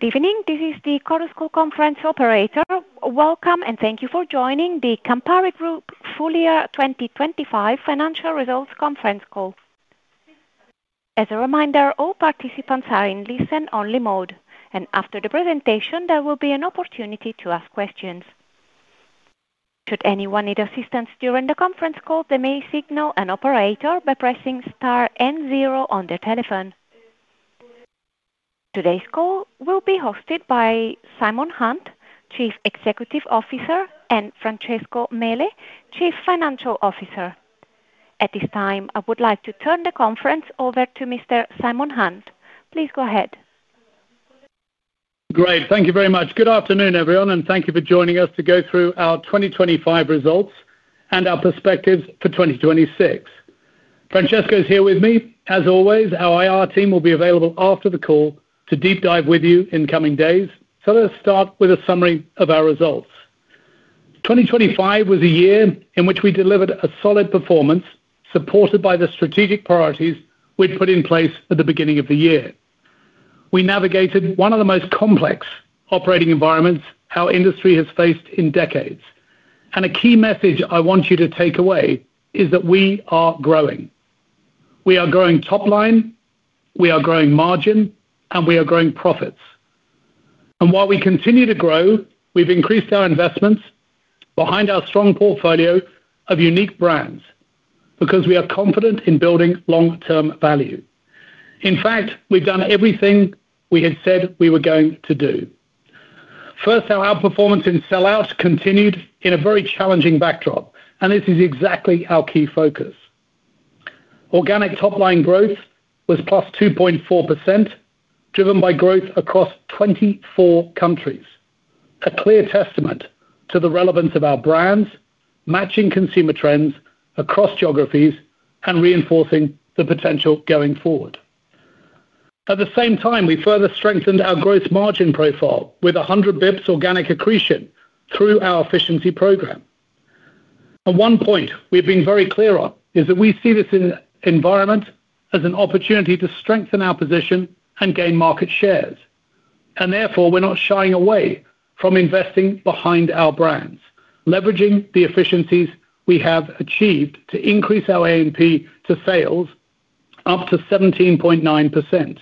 Good evening. This is the Chorus Call conference operator. Welcome and thank you for joining the Campari Group Full Year 2025 Financial Results conference call. As a reminder, all participants are in listen-only mode, and after the presentation, there will be an opportunity to ask questions. Should anyone need assistance during the conference call, they may signal an operator by pressing star and zero on their telephone. Today's call will be hosted by Simon Hunt, Chief Executive Officer, and Francesco Mele, Chief Financial Officer. At this time, I would like to turn the conference over to Mr. Simon Hunt. Please go ahead. Great. Thank you very much. Good afternoon, everyone, and thank you for joining us to go through our 2025 results and our perspectives for 2026. Francesco is here with me. As always, our IR team will be available after the call to deep dive with you in coming days. Let us start with a summary of our results. Twenty twenty five was a year in which we delivered a solid performance supported by the strategic priorities we'd put in place at the beginning of the year. We navigated one of the most complex operating environments our industry has faced in decades. A key message I want you to take away is that we are growing. We are growing top line, we are growing margin, and we are growing profits. While we continue to grow, we've increased our investments behind our strong portfolio of unique brands because we are confident in building long-term value. In fact, we've done everything we had said we were going to do. First, our outperformance in sellouts continued in a very challenging backdrop, and this is exactly our key focus. Organic top line growth was +2.4%, driven by growth across 24 countries, a clear testament to the relevance of our brands, matching consumer trends across geographies and reinforcing the potential going forward. At the same time, we further strengthened our growth margin profile with 100 basis points organic accretion through our efficiency program. One point we've been very clear on is that we see this environment as an opportunity to strengthen our position and gain market shares. Therefore, we're not shying away from investing behind our brands, leveraging the efficiencies we have achieved to increase our A&P to sales up to 17.9%.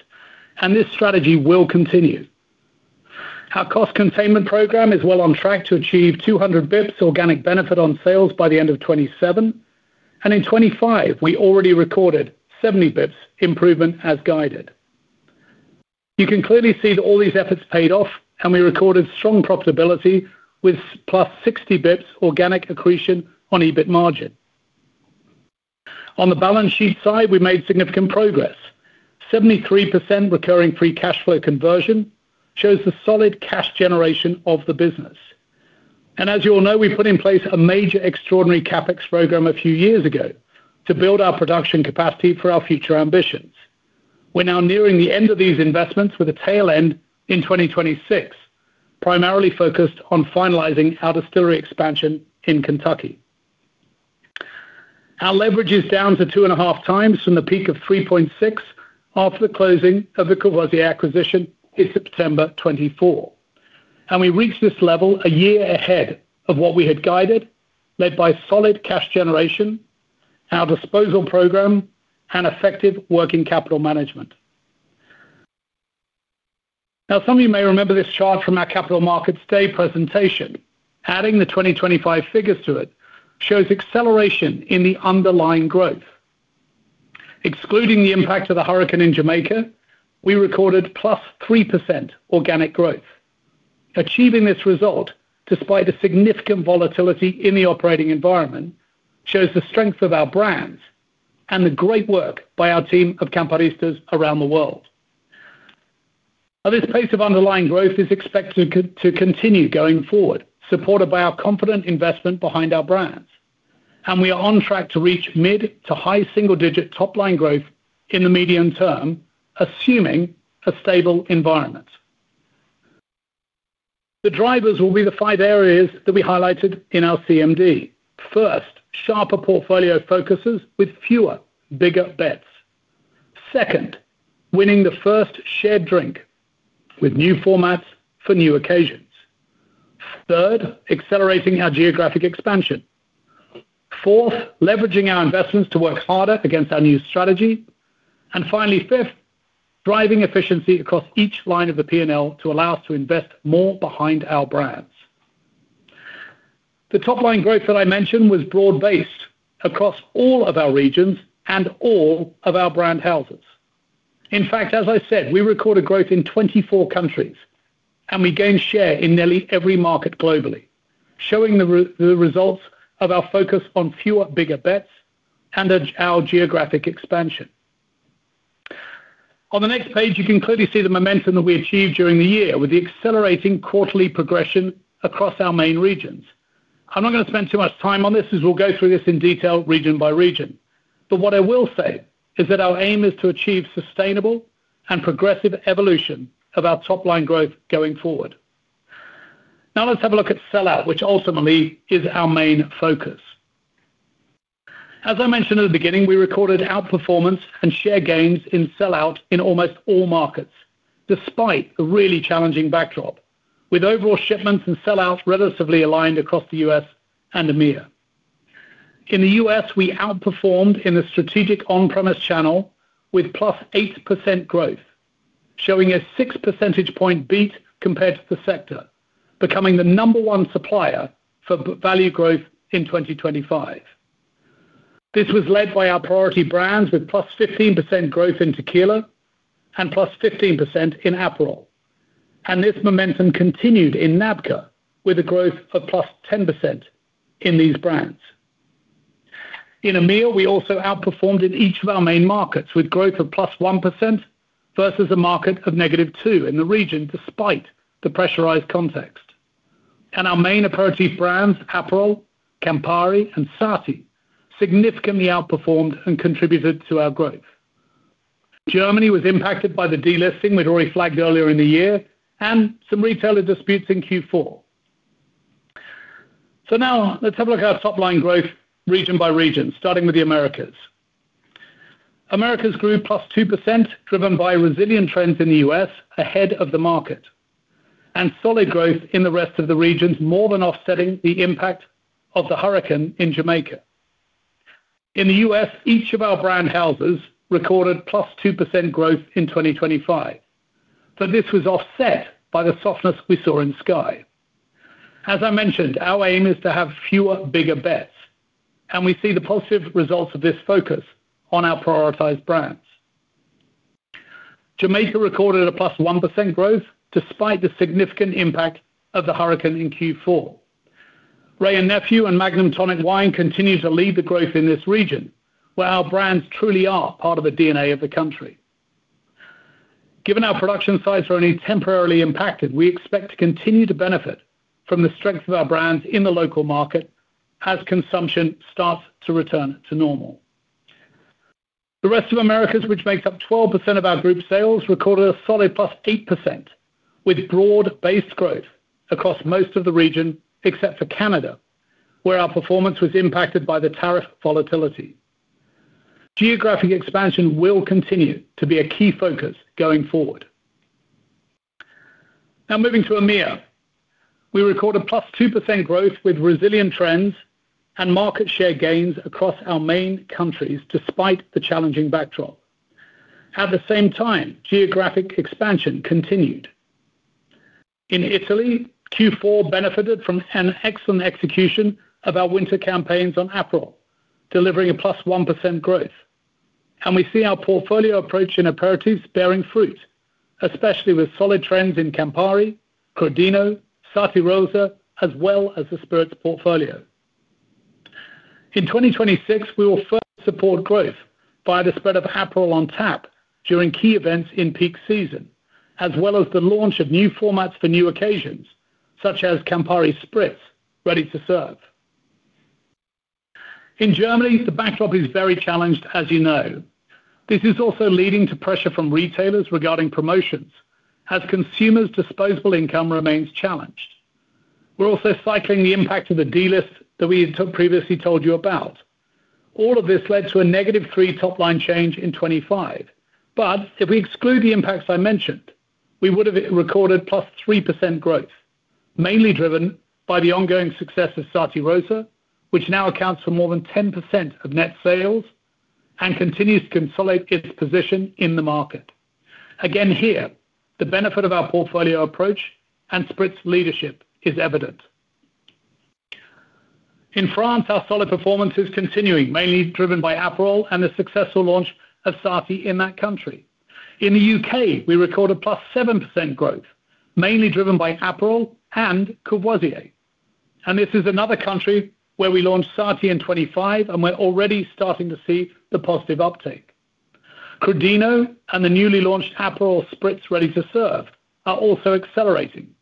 This strategy will continue. Our cost containment program is well on track to achieve 200 basis points organic benefit on sales by the end of 2027. In 2025, we already recorded 70 basis points improvement as guided. You can clearly see that all these efforts paid off, and we recorded strong profitability with +60 basis points organic accretion on EBIT margin. On the balance sheet side, we made significant progress. 73% recurring free cash flow conversion shows the solid cash generation of the business. As you all know, we put in place a major extraordinary CapEx program a few years ago to build our production capacity for our future ambitions. We're now nearing the end of these investments with a tail end in 2026, primarily focused on finalizing our distillery expansion in Kentucky. Our leverage is down to 2.5 times from the peak of 3.6 after the closing of the Courvoisier acquisition in September 2024. We reached this level a year ahead of what we had guided, led by solid cash generation, our disposal program, and effective working capital management. Now, some of you may remember this chart from our Capital Markets Day presentation. Adding the 2025 figures to it shows acceleration in the underlying growth. Excluding the impact of the hurricane in Jamaica, we recorded +3% organic growth. Achieving this result, despite a significant volatility in the operating environment, shows the strength of our brands and the great work by our team of Camparistas around the world. This pace of underlying growth is expected to continue going forward, supported by our confident investment behind our brands. We are on track to reach mid to high single-digit top-line growth in the medium term, assuming a stable environment. The drivers will be the five areas that we highlighted in our CMD. First, sharper portfolio focuses with fewer bigger bets. Second, winning the first shared drink with new formats for new occasions. Third, accelerating our geographic expansion. Fourth, leveraging our investments to work harder against our new strategy. Finally, fifth, driving efficiency across each line of the P&L to allow us to invest more behind our brands. The top-line growth that I mentioned was broad-based across all of our regions and all of our brand houses. In fact, as I said, we recorded growth in 24 countries. We gained share in nearly every market globally, showing the results of our focus on fewer bigger bets and our geographic expansion. On the next page, you can clearly see the momentum that we achieved during the year with the accelerating quarterly progression across our main regions. I'm not gonna spend too much time on this as we'll go through this in detail region by region. What I will say is that our aim is to achieve sustainable and progressive evolution of our top line growth going forward. Now let's have a look at sell-out, which ultimately is our main focus. As I mentioned at the beginning, we recorded outperformance and share gains in sell-out in almost all markets, despite a really challenging backdrop, with overall shipments and sell-outs relatively aligned across the U.S. and EMEA. In the U.S., we outperformed in the strategic on-premise channel with +8% growth, showing a 6 percentage point beat compared to the sector, becoming the number one supplier for V-value growth in 2025. This was led by our priority brands with +15% growth in tequila and +15% in Aperol. This momentum continued in NABCA with a growth of +10% in these brands. In EMEA, we also outperformed in each of our main markets with growth of +1% versus a market of -2% in the region, despite the pressurized context. Our main approaches brands, Aperol, Campari and Sarti, significantly outperformed and contributed to our growth. Germany was impacted by the delisting we'd already flagged earlier in the year and some retailer disputes in Q4. Now let's have a look at our top line growth region by region, starting with the Americas. Americas grew +2%, driven by resilient trends in the U.S. ahead of the market, and solid growth in the rest of the regions, more than offsetting the impact of the hurricane in Jamaica. In the U.S., each of our brand houses recorded +2% growth in 2025. This was offset by the softness we saw in SKYY. As I mentioned, our aim is to have fewer, bigger bets, and we see the positive results of this focus on our prioritized brands. Jamaica recorded a +1% growth despite the significant impact of the hurricane in Q4. Wray & Nephew and Magnum Tonic Wine continue to lead the growth in this region, where our brands truly are part of the DNA of the country. Given our production sites are only temporarily impacted, we expect to continue to benefit from the strength of our brands in the local market as consumption starts to return to normal. The rest of Americas, which makes up 12% of our group sales, recorded a solid +8%, with broad-based growth across most of the region, except for Canada, where our performance was impacted by the tariff volatility. Geographic expansion will continue to be a key focus going forward. Moving to EMEA. We record a +2% growth with resilient trends and market share gains across our main countries despite the challenging backdrop. At the same time, geographic expansion continued. In Italy, Q4 benefited from an excellent execution of our winter campaigns on Aperol, delivering a +1% growth. We see our portfolio approach in aperitifs bearing fruit, especially with solid trends in Campari, Crodino, Sarti Rosa, as well as the spirits portfolio. In 2026, we will further support growth via the spread of Aperol on tap during key events in peak season, as well as the launch of new formats for new occasions, such as Campari Spritz, ready to serve. In Germany, the backdrop is very challenged, as you know. This is also leading to pressure from retailers regarding promotions as consumers' disposable income remains challenged. We're also cycling the impact of the D list that we previously told you about. All of this led to a -3% top line change in 2025. If we exclude the impacts I mentioned, we would have recorded +3% growth, mainly driven by the ongoing success of Sarti Rosa, which now accounts for more than 10% of net sales and continues to consolidate its position in the market. Again here, the benefit of our portfolio approach and Spritz leadership is evident. In France, our solid performance is continuing, mainly driven by Aperol and the successful launch of Sarti in that country. In the U.K., we record a +7% growth, mainly driven by Aperol and Courvoisier. This is another country where we launched Sarti in 25, and we're already starting to see the positive uptake. Crodino and the newly launched Aperol Spritz, ready to serve, are also accelerating,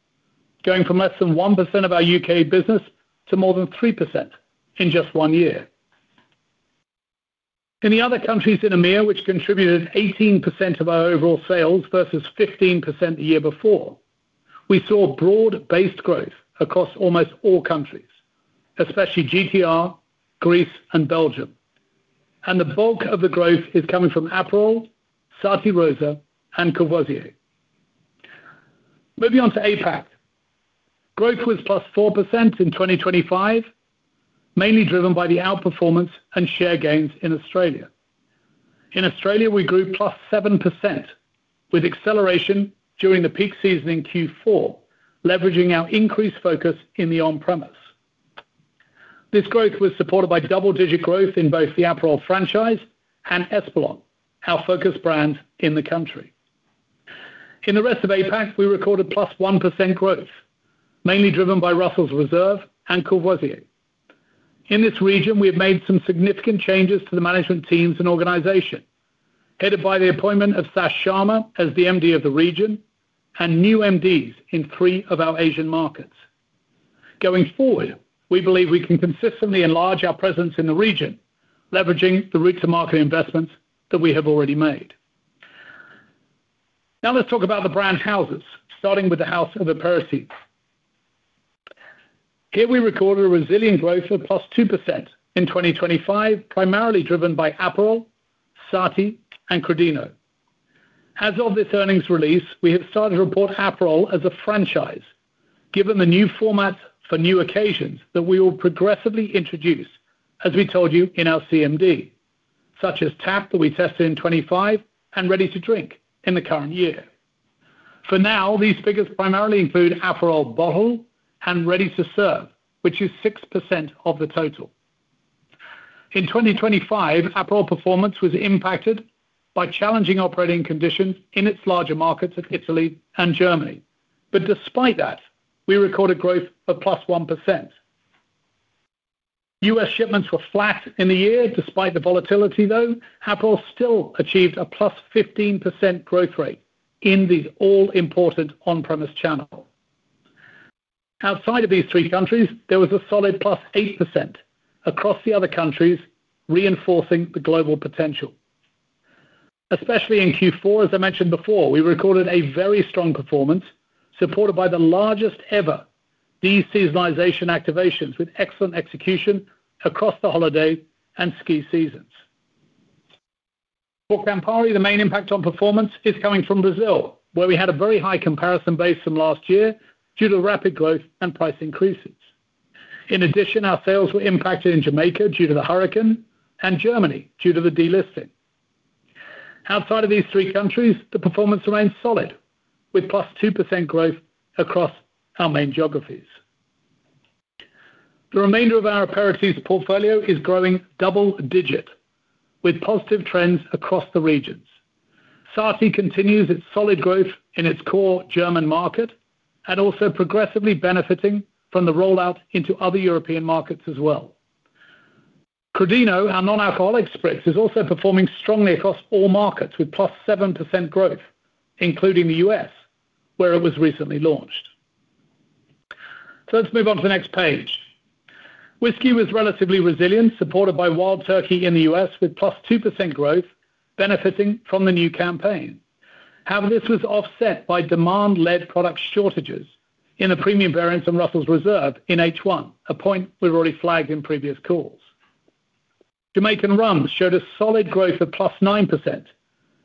going from less than 1% of our U.K. business to more than 3% in just 1 year. In the other countries in EMEA, which contributed 18% of our overall sales versus 15% a year before, we saw broad-based growth across almost all countries, especially GTR, Greece and Belgium. The bulk of the growth is coming from Aperol, Sarti Rosa and Courvoisier. Moving on to APAC. Growth was +4% in 2025, mainly driven by the outperformance and share gains in Australia. In Australia, we grew +7% with acceleration during the peak season in Q4, leveraging our increased focus in the on-premise. This growth was supported by double-digit growth in both the Aperol franchise and Espolòn, our focus brand in the country. In the rest of APAC, we recorded +1% growth, mainly driven by Russell's Reserve and Courvoisier. In this region, we have made some significant changes to the management teams and organization, headed by the appointment of Sash Sharma as the MD of the region and new MDs in three of our Asian markets. We believe we can consistently enlarge our presence in the region, leveraging the route to market investments that we have already made. Let's talk about the House of Aperitif. We recorded a resilient growth of +2% in 2025, primarily driven by Aperol, Sarti, and Crodino. As of this earnings release, we have started to report Aperol as a franchise, given the new formats for new occasions that we will progressively introduce, as we told you in our CMD, such as tap that we tested in 2025 and ready to drink in the current year. For now, these figures primarily include Aperol Bottle and Ready to Serve, which is 6% of the total. In 2025, Aperol performance was impacted by challenging operating conditions in its larger markets of Italy and Germany. Despite that, we recorded growth of +1%. U.S. shipments were flat in the year despite the volatility, though, Aperol still achieved a +15% growth rate in these all-important on-premise channel. Outside of these three countries, there was a solid +8% across the other countries, reinforcing the global potential. Especially in Q4, as I mentioned before, we recorded a very strong performance, supported by the largest ever de-seasonalization activations with excellent execution across the holiday and ski seasons. For Campari, the main impact on performance is coming from Brazil, where we had a very high comparison base from last year due to rapid growth and price increases. In addition, our sales were impacted in Jamaica due to the hurricane, and Germany due to the delisting. Outside of these three countries, the performance remains solid with +2% growth across our main geographies. The remainder of our Aperitif portfolio is growing double-digit with positive trends across the regions. Sarti continues its solid growth in its core German market and also progressively benefiting from the rollout into other European markets as well. Crodino, our non-alcoholic spritz, is also performing strongly across all markets with +7% growth, including the U.S., where it was recently launched. Let's move on to the next page. Whiskey was relatively resilient, supported by Wild Turkey in the U.S., with +2% growth benefiting from the new campaign. This was offset by demand lead product shortages in the premium variants from Russell's Reserve in H1, a point we've already flagged in previous calls. Jamaican rum showed a solid growth of +9%,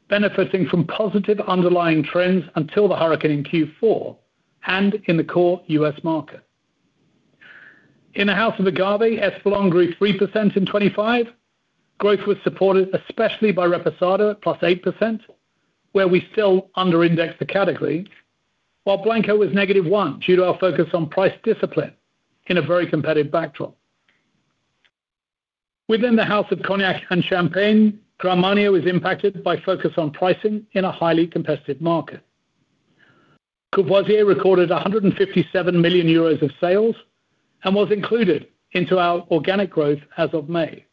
benefiting from positive underlying trends until the hurricane in Q4 and in the core U.S. market. In the House of Agave, Espolòn grew 3% in2025. Growth was supported, especially by Reposado at +8%, where we still under-index the category, while Blanco was -1%, due to our focus on price discipline in a very competitive backdrop. Within the House of Cognac & Champagne, Grand Marnier was impacted by focus on pricing in a highly competitive market. Courvoisier recorded 157 million euros of sales and was included into our organic growth as of May.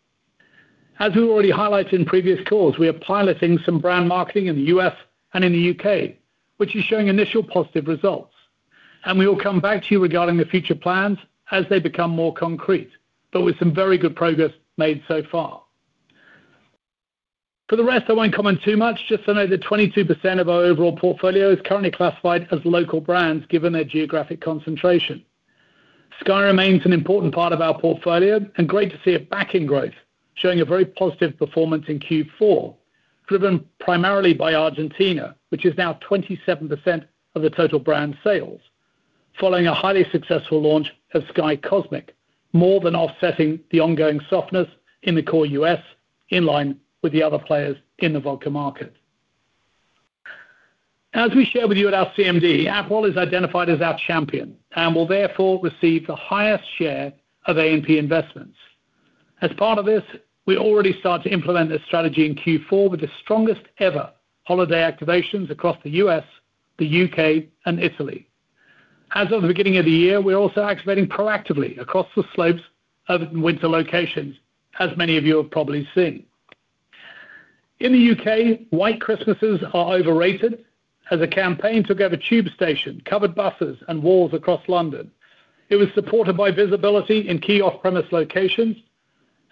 As we already highlighted in previous calls, we are piloting some brand marketing in the U.S. and in the U.K., which is showing initial positive results. We will come back to you regarding the future plans as they become more concrete, but with some very good progress made so far. For the rest, I won't comment too much, just to note that 22% of our overall portfolio is currently classified as local brands given their geographic concentration. SKYY remains an important part of our portfolio and great to see it back in growth, showing a very positive performance in Q4, driven primarily by Argentina, which is now 27% of the total brand sales, following a highly successful launch of SKYY Cosmic, more than offsetting the ongoing softness in the core U.S., in line with the other players in the vodka market. As we share with you at our CMD, Aperol is identified as our champion and will therefore receive the highest share of A&P investments. As part of this, we already start to implement this strategy in Q4 with the strongest ever holiday activations across the U.S., the U.K., and Italy. As of the beginning of the year, we're also activating proactively across the slopes of winter locations, as many of you have probably seen. In th e U.K., white Christmases are overrated as a campaign took over tube station, covered buses and walls across London. It was supported by visibility in key off-premise locations,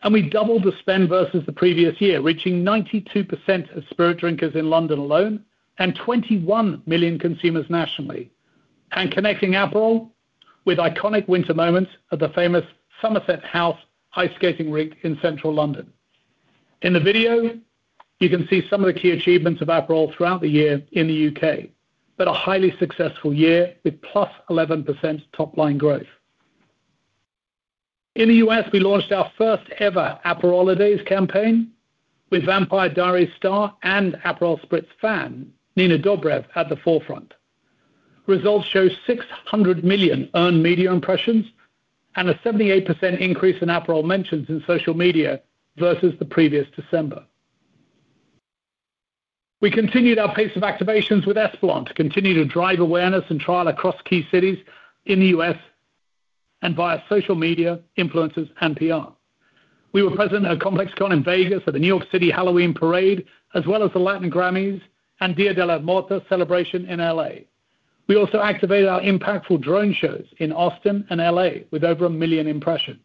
and we doubled the spend versus the previous year, reaching 92% of spirit drinkers in London alone and 21 million consumers nationally. Connecting Aperol with iconic winter moments at the famous Somerset House ice skating rink in central London. In the video, you can see some of the key achievements of Aperol throughout the year in the U.K., a highly successful year with +11% top-line growth. In the U.S., we launched our first ever Aperol holidays campaign with Vampire Diaries star and Aperol Spritz fan, Nina Dobrev, at the forefront. Results show 600 million earned media impressions and a 78% increase in Aperol mentions in social media versus the previous December. We continued our pace of activations with Espolòn to continue to drive awareness and trial across key cities in the U.S. and via social media, influencers, and P.R. We were present at ComplexCon in Vegas for the New York City Halloween parade, as well as the Latin GRAMMYs and Día de los Muertos celebration in L.A. We also activated our impactful drone shows in Austin and L.A. with over 1 million impressions.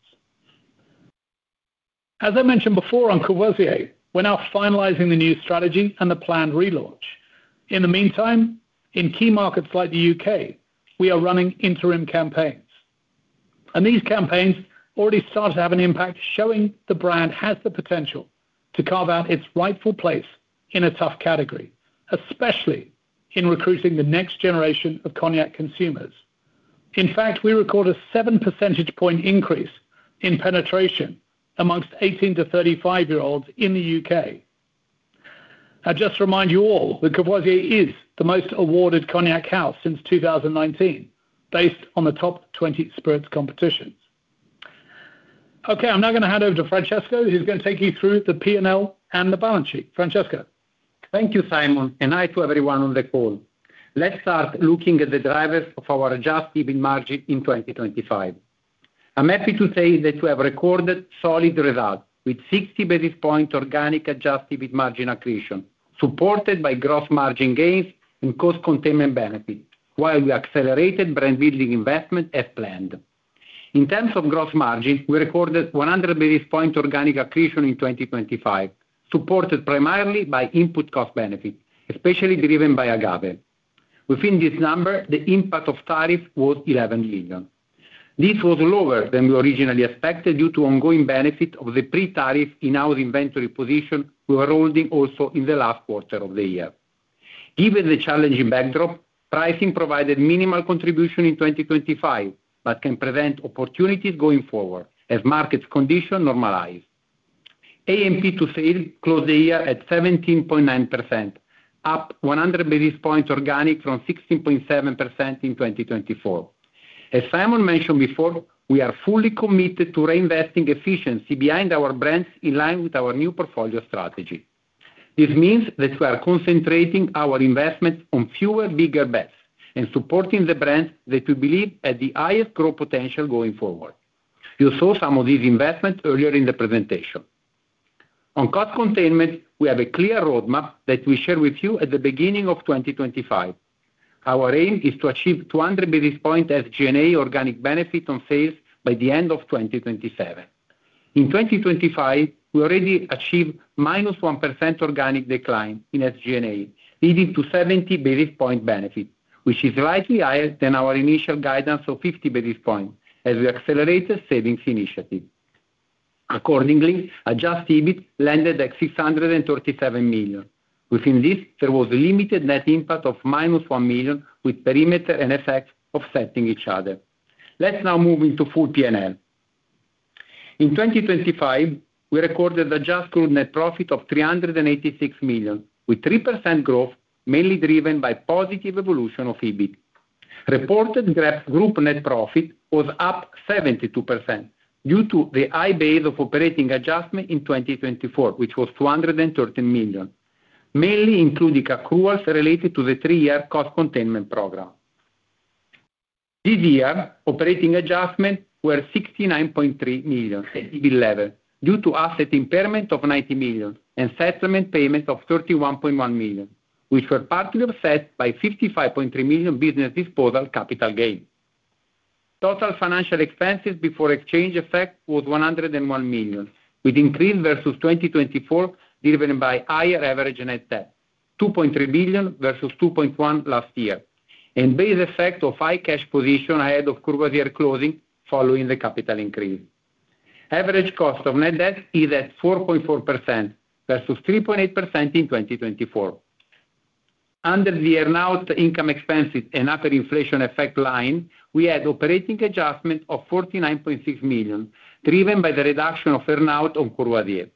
As I mentioned before on Courvoisier, we're now finalizing the new strategy and the planned relaunch. In the meantime, in key markets like the U.K., we are running interim campaigns. These campaigns already started to have an impact, showing the brand has the potential to carve out its rightful place in a tough category, especially in recruiting the next generation of cognac consumers. In fact, we record a 7 percentage point increase in penetration amongst 18 to 35-year-olds in the U.K. I just remind you all that Courvoisier is the most awarded cognac house since 2019 based on the top 20 spirits competitions. Okay, I'm now gonna hand over to Francesco, who's gonna take you through the P&L and the balance sheet. Francesco. Thank you, Simon. Hi to everyone on the call. Let's start looking at the drivers of our adjusted EBIT margin in 2025. I'm happy to say that we have recorded solid results with 60 basis point organic adjusted EBIT margin accretion, supported by gross margin gains and cost containment benefit, while we accelerated brand building investment as planned. In terms of gross margin, we recorded 100 basis point organic accretion in 2025, supported primarily by input cost benefit, especially driven by Agave. Within this number, the impact of tariff was 11 million. This was lower than we originally expected due to ongoing benefit of the pre-tariff in our inventory position we were holding also in the last quarter of the year. Given the challenging backdrop, pricing provided minimal contribution in 2025, but can present opportunities going forward as market conditions normalize. AMP to sales closed the year at 17.9%, up 100 basis point organic from 16.7% in 2024. As Simon mentioned before, we are fully committed to reinvesting efficiency behind our brands in line with our new portfolio strategy. This means that we are concentrating our investments on fewer, bigger bets and supporting the brands that we believe have the highest growth potential going forward. You saw some of these investments earlier in the presentation. On cost containment, we have a clear roadmap that we shared with you at the beginning of 2025. Our aim is to achieve 200 basis point as G&A organic benefit on sales by the end of 2027. In 2025, we already achieved -1% organic decline in SG&A, leading to 70 basis points benefit, which is slightly higher than our initial guidance of 50 basis points as we accelerated savings initiative. Accordingly, adjusted EBIT landed at 637 million. Within this, there was limited net impact of -1 million, with perimeter and FX offsetting each other. Let's now move into full P&L. In 2025, we recorded adjusted net profit of 386 million, with 3% growth mainly driven by positive evolution of EBIT. Reported group net profit was up 72% due to the high base of operating adjustment in 2024, which was 213 million, mainly including accruals related to the three-year cost containment program. This year, operating adjustments were 69.3 million at the EBIT level due to asset impairment of 90 million and settlement payment of 31.1 million, which were partly offset by 55.3 million business disposal capital gain. Total financial expenses before exchange effect was 101 million, with increase versus 2024 driven by higher average net debt, 2.3 billion versus 2.1 billion last year, and base effect of high cash position ahead of Courvoisier closing following the capital increase. Average cost of net debt is at 4.4% versus 3.8% in 2024. Under the earnout income expenses and other inflation effect line, we had operating adjustment of 49.6 million, driven by the reduction of earnout on Courvoisier.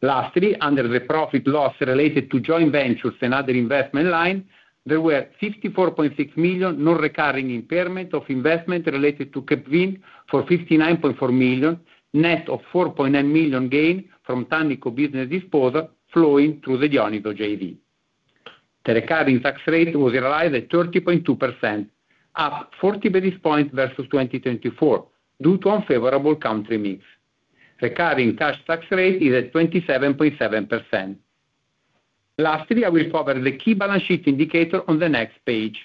Lastly, under the profit loss related to joint ventures and other investment line, there were 64.6 million non-recurring impairment of investment related to Capevin for 59.4 million, net of 4.9 million gain from Tannico business disposal flowing through the Johnnie Walker JD. The recurring tax rate was realized at 30.2%, up 40 basis points versus 2024 due to unfavorable country mix. Recurring cash tax rate is at 27.7%. Lastly, I will cover the key balance sheet indicator on the next page.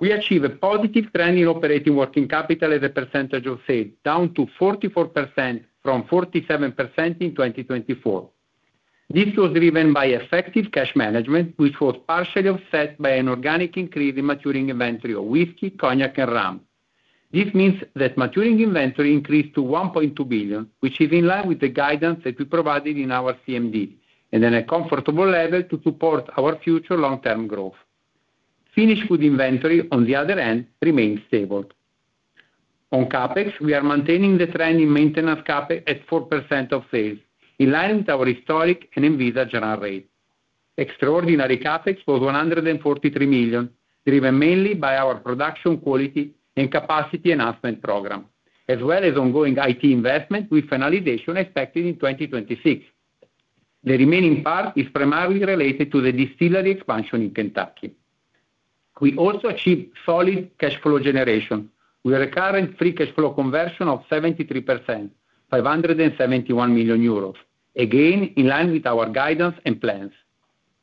We achieved a positive trend in operating working capital as a percentage of sales, down to 44% from 47% in 2024. This was driven by effective cash management, which was partially offset by an organic increase in maturing inventory of whiskey, cognac, and rum. This means that maturing inventory increased to 1.2 billion, which is in line with the guidance that we provided in our CMD and in a comfortable level to support our future long-term growth. Finished food inventory on the other hand remains stable. On CapEx, we are maintaining the trend in maintenance CapEx at 4% of sales, in line with our historic and envisaged run rate. Extraordinary CapEx was 143 million, driven mainly by our production quality and capacity enhancement program, as well as ongoing IT investment, with finalization expected in 2026. The remaining part is primarily related to the distillery expansion in Kentucky. We also achieved solid cash flow generation with a recurring free cash flow conversion of 73%, 571 million euros, again in line with our guidance and plans.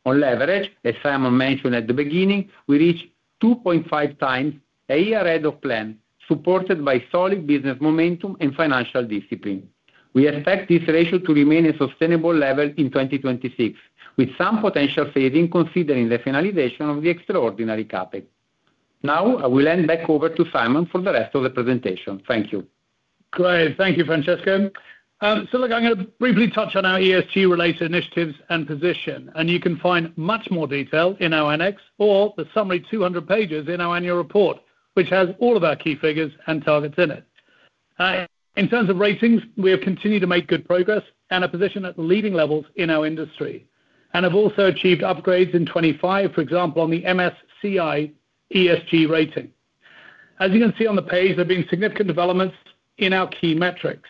On leverage, as Simon mentioned at the beginning, we reached 2.5 times a year ahead of plan, supported by solid business momentum and financial discipline. We expect this ratio to remain a sustainable level in 2026, with some potential fading considering the finalization of the extraordinary CapEx. Now I will hand back over to Simon for the rest of the presentation. Thank you. Great. Thank you, Francesco. Look, I'm gonna briefly touch on our ESG related initiatives and position, and you can find much more detail in our annex or the summary 200 pages in our annual report, which has all of our key figures and targets in it. In terms of ratings, we have continued to make good progress and are positioned at the leading levels in our industry and have also achieved upgrades in 2025, for example, on the MSCI ESG rating. As you can see on the page, there have been significant developments in our key metrics.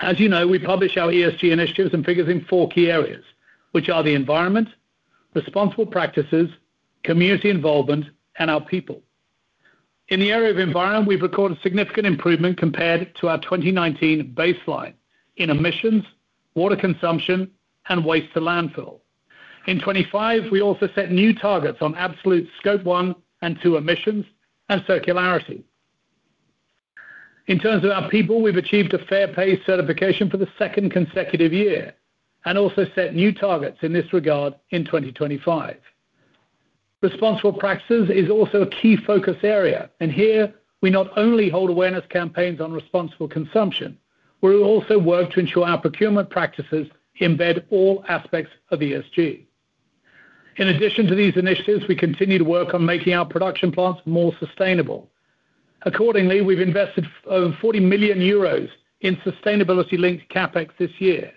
As you know, we publish our ESG initiatives and figures in four key areas, which are the environment, responsible practices, community involvement, and our people. In the area of environment, we've recorded significant improvement compared to our 2019 baseline in emissions, water consumption, and waste to landfill. In 2025, we also set new targets on absolute Scope 1 and 2 emissions and circularity. In terms of our people, we've achieved a fair pay certification for the second consecutive year and also set new targets in this regard in 2025. Responsible practices is also a key focus area. Here we not only hold awareness campaigns on responsible consumption, we will also work to ensure our procurement practices embed all aspects of ESG. In addition to these initiatives, we continue to work on making our production plants more sustainable. Accordingly, we've invested over 40 million euros in sustainability-linked CapEx this year,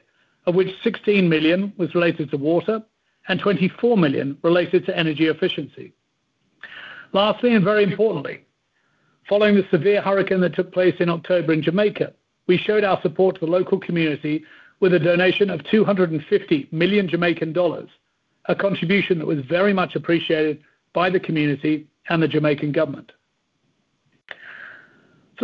of which 16 million was related to water and 24 million related to energy efficiency. Lastly, and very importantly, following the severe hurricane that took place in October in Jamaica, we showed our support to the local community with a donation of JMD 250 million, a contribution that was very much appreciated by the community and the Jamaican government.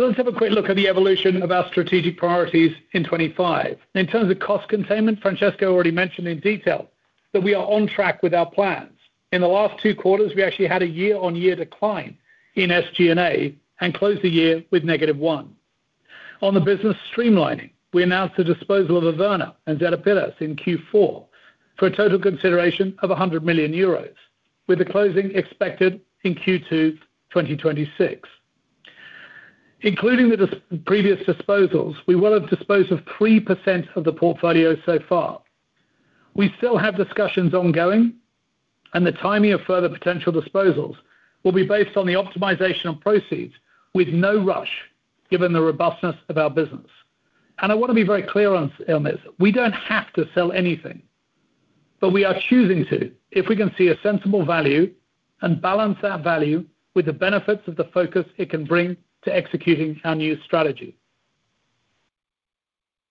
Let's have a quick look at the evolution of our strategic priorities in 2025. In terms of cost containment, Francesco already mentioned in detail that we are on track with our plans. In the last two quarters, we actually had a year-on-year decline in SG&A and closed the year with -1%. On the business streamlining, we announced the disposal of Averna and Zedda Piras in Q4 for a total consideration of 100 million euros, with the closing expected in Q2 2026. Including the previous disposals, we will have disposed of 3% of the portfolio so far. We still have discussions ongoing. The timing of further potential disposals will be based on the optimization of proceeds with no rush, given the robustness of our business. I want to be very clear on this. We don't have to sell anything. We are choosing to if we can see a sensible value and balance that value with the benefits of the focus it can bring to executing our new strategy.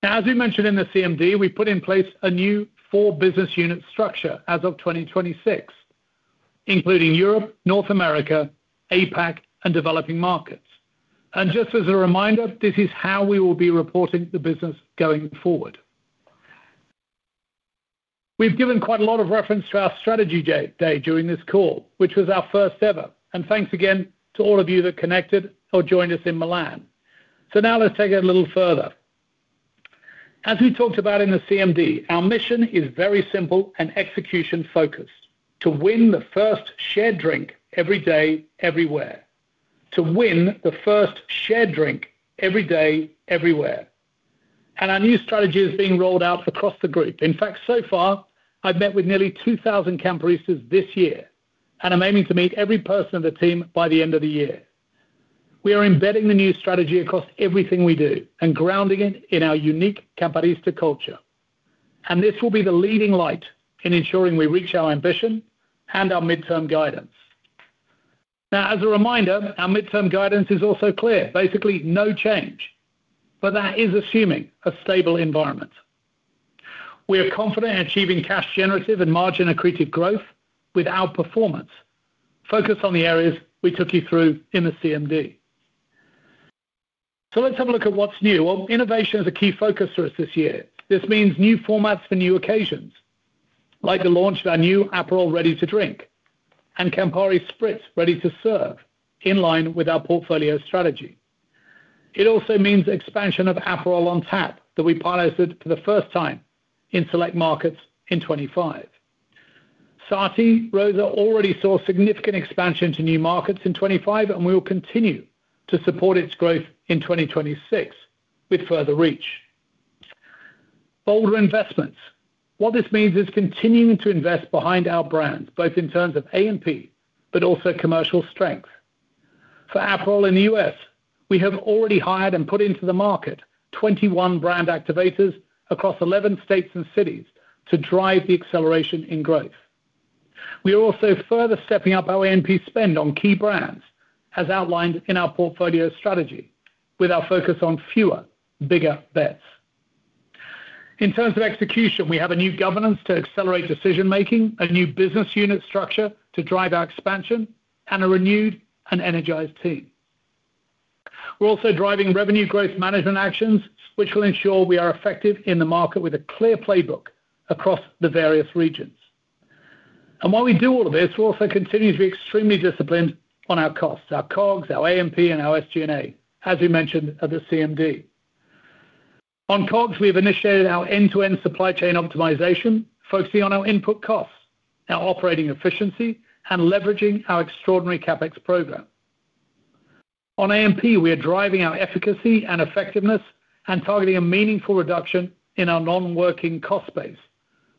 Now, as we mentioned in the CMD, we put in place a new four business unit structure as of 2026, including Europe, North America, APAC, and developing markets. Just as a reminder, this is how we will be reporting the business going forward. We've given quite a lot of reference to our strategy day during this call, which was our first ever, and thanks again to all of you that connected or joined us in Milan. Now let's take it a little further. As we talked about in the CMD, our mission is very simple and execution-focused: to win the first shared drink every day, everywhere. To win the first shared drink every day, everywhere. Our new strategy is being rolled out across the group. In fact, so far I've met with nearly 2,000 Camparistas this year, and I'm aiming to meet every person on the team by the end of the year. We are embedding the new strategy across everything we do and grounding it in our unique Camparista culture. This will be the leading light in ensuring we reach our ambition and our midterm guidance. As a reminder, our midterm guidance is also clear. Basically no change, but that is assuming a stable environment. We are confident in achieving cash generative and margin accretive growth with our performance. Focus on the areas we took you through in the CMD. Let's have a look at what's new. Innovation is a key focus for us this year. This means new formats for new occasions, like the launch of our new Aperol Ready to Drink and Campari Spritz Ready to Serve in line with our portfolio strategy. It also means expansion of Aperol on tap that we piloted for the first time in select markets in 2025. Sarti Rosa already saw significant expansion to new markets in 2025 and will continue to support its growth in 2026 with further reach. Bolder investments. What this means is continuing to invest behind our brands, both in terms of A&P but also commercial strength. For Aperol in the U.S., we have already hired and put into the market 21 brand activators across 11 states and cities to drive the acceleration in growth. We are also further stepping up our A&P spend on key brands, as outlined in our portfolio strategy, with our focus on fewer, bigger bets. In terms of execution, we have a new governance to accelerate decision-making, a new business unit structure to drive our expansion, and a renewed and energized team. We're also driving revenue growth management actions, which will ensure we are effective in the market with a clear playbook across the various regions. While we do all of this, we also continue to be extremely disciplined on our costs, our COGS, our AMP and our SG&A, as we mentioned at the CMD. On COGS, we have initiated our end-to-end supply chain optimization, focusing on our input costs, our operating efficiency, and leveraging our extraordinary CapEx program. On AMP, we are driving our efficacy and effectiveness and targeting a meaningful reduction in our non-working cost base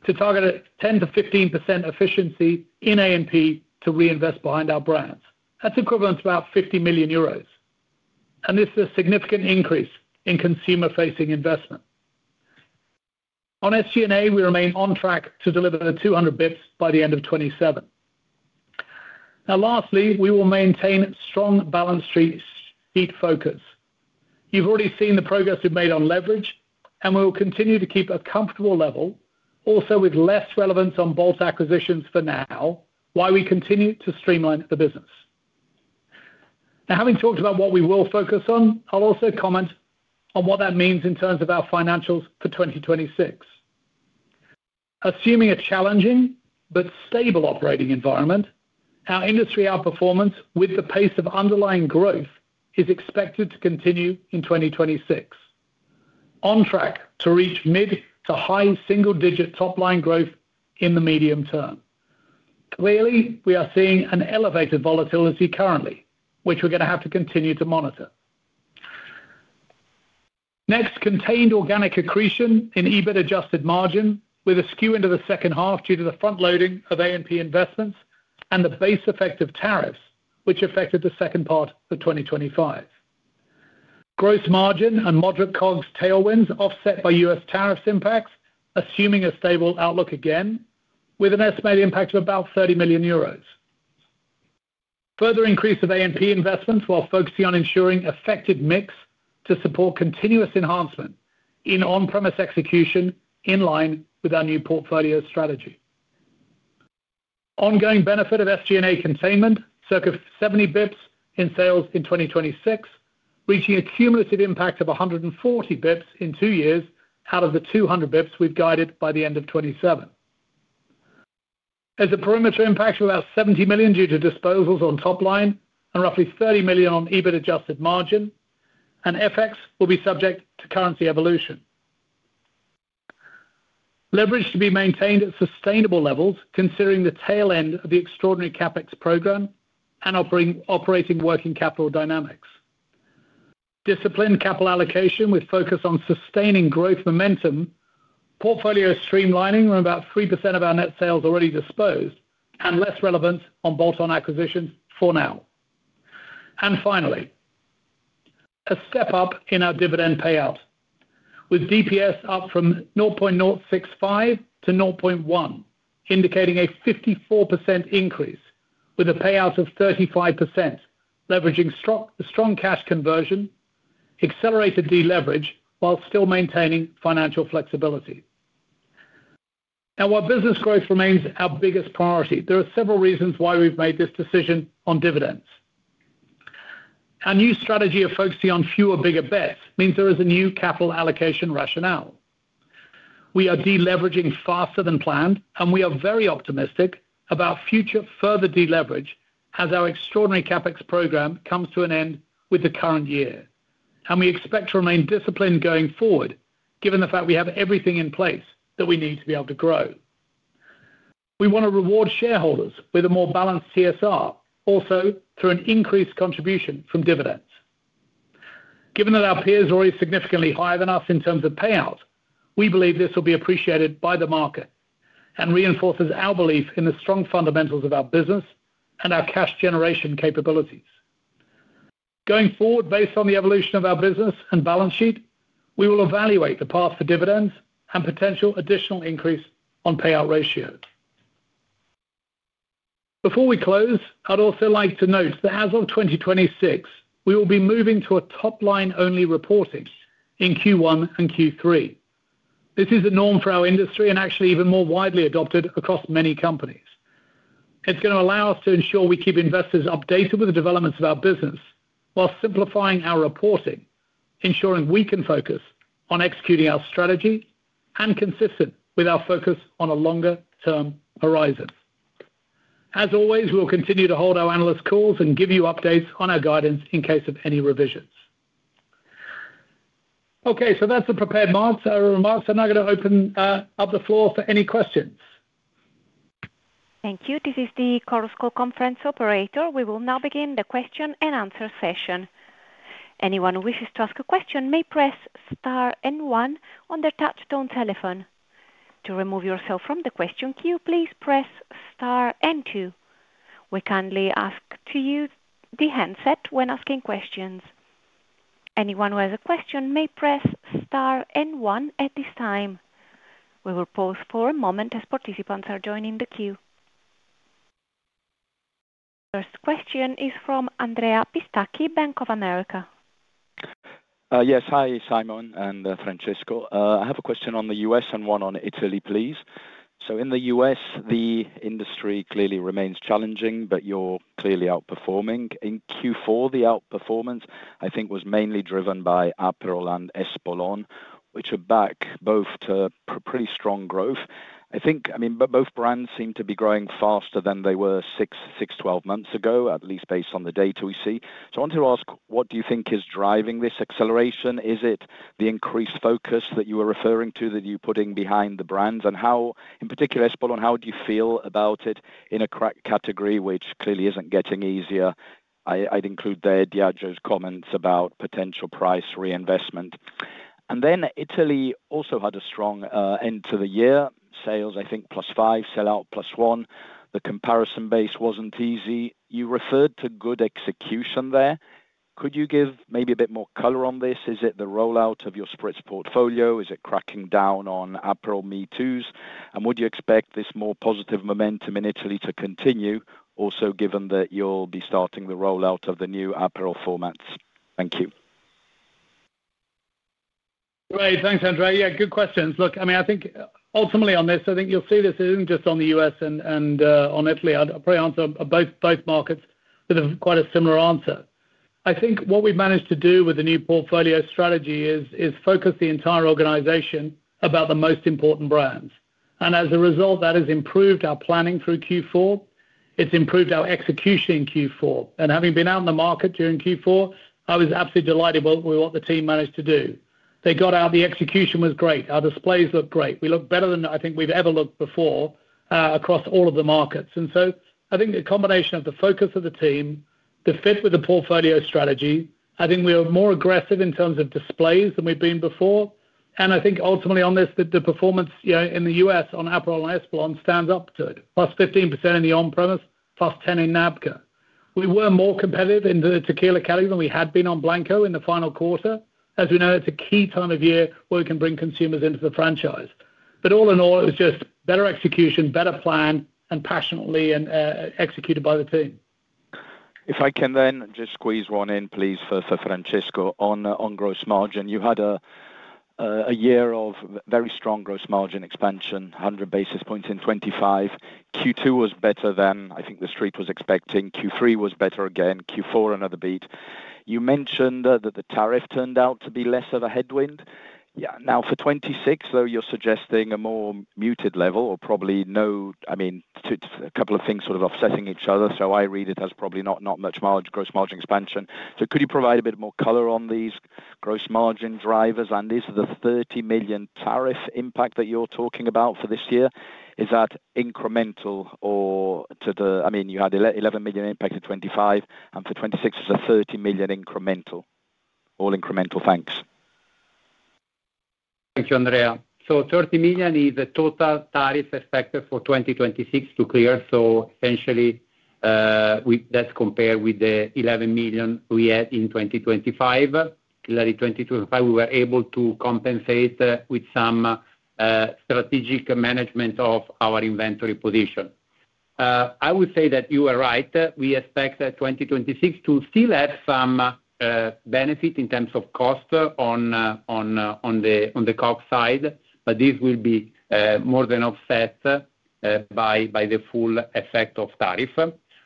to target a 10%-15% efficiency in AMP to reinvest behind our brands. That's equivalent to about 50 million euros, this is a significant increase in consumer-facing investment. On SG&A, we remain on track to deliver the 200 basis points by the end of 2027. Lastly, we will maintain strong balance sheet focus. You've already seen the progress we've made on leverage. We will continue to keep a comfortable level also with less relevance on bolt acquisitions for now, while we continue to streamline the business. Having talked about what we will focus on, I'll also comment on what that means in terms of our financials for 2026. Assuming a challenging but stable operating environment, our industry outperformance with the pace of underlying growth is expected to continue in 2026. On track to reach mid to high single-digit top line growth in the medium term. We are seeing an elevated volatility currently, which we're going to have to continue to monitor. Contained organic accretion in EBIT adjusted margin with a skew into the second half due to the front-loading of A&P investments and the base effect of tariffs which affected the second part of 2025. Gross margin and moderate COGS tailwinds offset by U.S. tariffs impacts, assuming a stable outlook again with an estimated impact of about 30 million euros. Further increase of AMP investments while focusing on ensuring effective mix to support continuous enhancement in on-premise execution in line with our new portfolio strategy. Ongoing benefit of SG&A containment, circa 70 basis points in sales in 2026, reaching a cumulative impact of 140 basis points in 2 years out of the 200 basis points we've guided by the end of 2027. There's a perimeter impact of about 70 million due to disposals on top line and roughly 30 million on EBIT adjusted margin. FX will be subject to currency evolution. Leverage to be maintained at sustainable levels considering the tail end of the extraordinary CapEx program and operating working capital dynamics. Disciplined capital allocation with focus on sustaining growth momentum. Portfolio streamlining of about 3% of our net sales already disposed and less relevant on bolt-on acquisitions for now. Finally, a step up in our dividend payout with DPS up from 0.065 to 0.1, indicating a 54% increase with a payout of 35%, leveraging strong cash conversion, accelerated deleverage while still maintaining financial flexibility. While business growth remains our biggest priority, there are several reasons why we've made this decision on dividends. Our new strategy of focusing on fewer, bigger bets means there is a new capital allocation rationale. We are deleveraging faster than planned, and we are very optimistic about future further deleverage as our extraordinary CapEx program comes to an end with the current year. We expect to remain disciplined going forward given the fact we have everything in place that we need to be able to grow. We want to reward shareholders with a more balanced CSR also through an increased contribution from dividends. Given that our peers are already significantly higher than us in terms of payout, we believe this will be appreciated by the market and reinforces our belief in the strong fundamentals of our business and our cash generation capabilities. Going forward, based on the evolution of our business and balance sheet, we will evaluate the path for dividends and potential additional increase on payout ratios. Before we close, I'd also like to note that as of 2026, we will be moving to a top line only reporting in Q1 and Q3. This is the norm for our industry and actually even more widely adopted across many companies. It's going to allow us to ensure we keep investors updated with the developments of our business while simplifying our reporting, ensuring we can focus on executing our strategy and consistent with our focus on a longer-term horizon. As always, we will continue to hold our analyst calls and give you updates on our guidance in case of any revisions. That's the prepared remarks. I'm now going to open up the floor for any questions. Thank you. This is the Chorus Call conference operator. We will now begin the question and answer session. Anyone who wishes to ask a question may press star and one on their touchtone telephone. To remove yourself from the question queue, please press star and two. We kindly ask to use the handset when asking questions. Anyone who has a question may press star and one at this time. We will pause for a moment as participants are joining the queue. First question is from Andrea Pistacchi, Bank of America. Yes. Hi, Simon and Francesco. I have a question on the U.S. and one on Italy, please. In the U.S., the industry clearly remains challenging, but you're clearly outperforming. In Q4, the outperformance, I think, was mainly driven by Aperol and Espolòn, which are back both to pretty strong growth. I think, I mean, both brands seem to be growing faster than they were 6 months, 12 months ago, at least based on the data we see. I want to ask, what do you think is driving this acceleration? Is it the increased focus that you were referring to that you're putting behind the brands? How, in particular, Espolòn, how do you feel about it in a category which clearly isn't getting easier? I'd include there Diageo's comments about potential price reinvestment. Italy also had a strong end to the year. Sales, I think, +5%, sell-out, +1%. The comparison base wasn't easy. You referred to good execution there. Could you give maybe a bit more color on this? Is it the rollout of your spirits portfolio? Is it cracking down on Aperol me-toos? Would you expect this more positive momentum in Italy to continue also given that you'll be starting the rollout of the new Aperol formats? Thank you. Great. Thanks, Andrea. Yeah, good questions. Look, I mean, I think ultimately on this, I think you'll see this isn't just on the U.S. and on Italy. I'd probably answer on both markets with a quite a similar answer. I think what we've managed to do with the new portfolio strategy is focus the entire organization about the most important brands. As a result, that has improved our planning through Q4, it's improved our execution in Q4. Having been out in the market during Q4, I was absolutely delighted with what the team managed to do. They got out, the execution was great. Our displays looked great. We looked better than I think we've ever looked before across all of the markets. I think a combination of the focus of the team, the fit with the portfolio strategy, I think we are more aggressive in terms of displays than we've been before, and I think ultimately on this, the performance, you know, in the U.S. on Aperol and Espolòn stands up to it. +15% in the on-premise, +10% in NABCA. We were more competitive in the tequila category than we had been on Blanco in the final quarter. As we know, it's a key time of year where we can bring consumers into the franchise. All in all, it was just better execution, better plan, and passionately executed by the team. If I can then just squeeze one in, please, for Francesco on gross margin. You had a year of very strong gross margin expansion, 100 basis points in 2025. Q2 was better than I think the street was expecting. Q3 was better again. Q4, another beat. You mentioned that the tariff turned out to be less of a headwind. Now for 2026, though, you're suggesting a more muted level or probably no. I mean, it's a couple of things sort of offsetting each other, so I read it as probably not much margin, gross margin expansion. Could you provide a bit more color on these gross margin drivers? Is the 30 million tariff impact that you're talking about for this year, is that incremental or to the? I mean, you had 11 million impact in 2025, and for 2026, it's a 30 million incremental. All incremental. Thanks. Thank you, Andrea. 30 million is the total tariff expected for 2026 to clear. Essentially, that's compared with the 11 million we had in 2025. Clearly, 2025, we were able to compensate with some strategic management of our inventory position. I would say that you are right. We expect that 2026 to still have some benefit in terms of cost on the COGS side, but this will be more than offset by the full effect of tariff.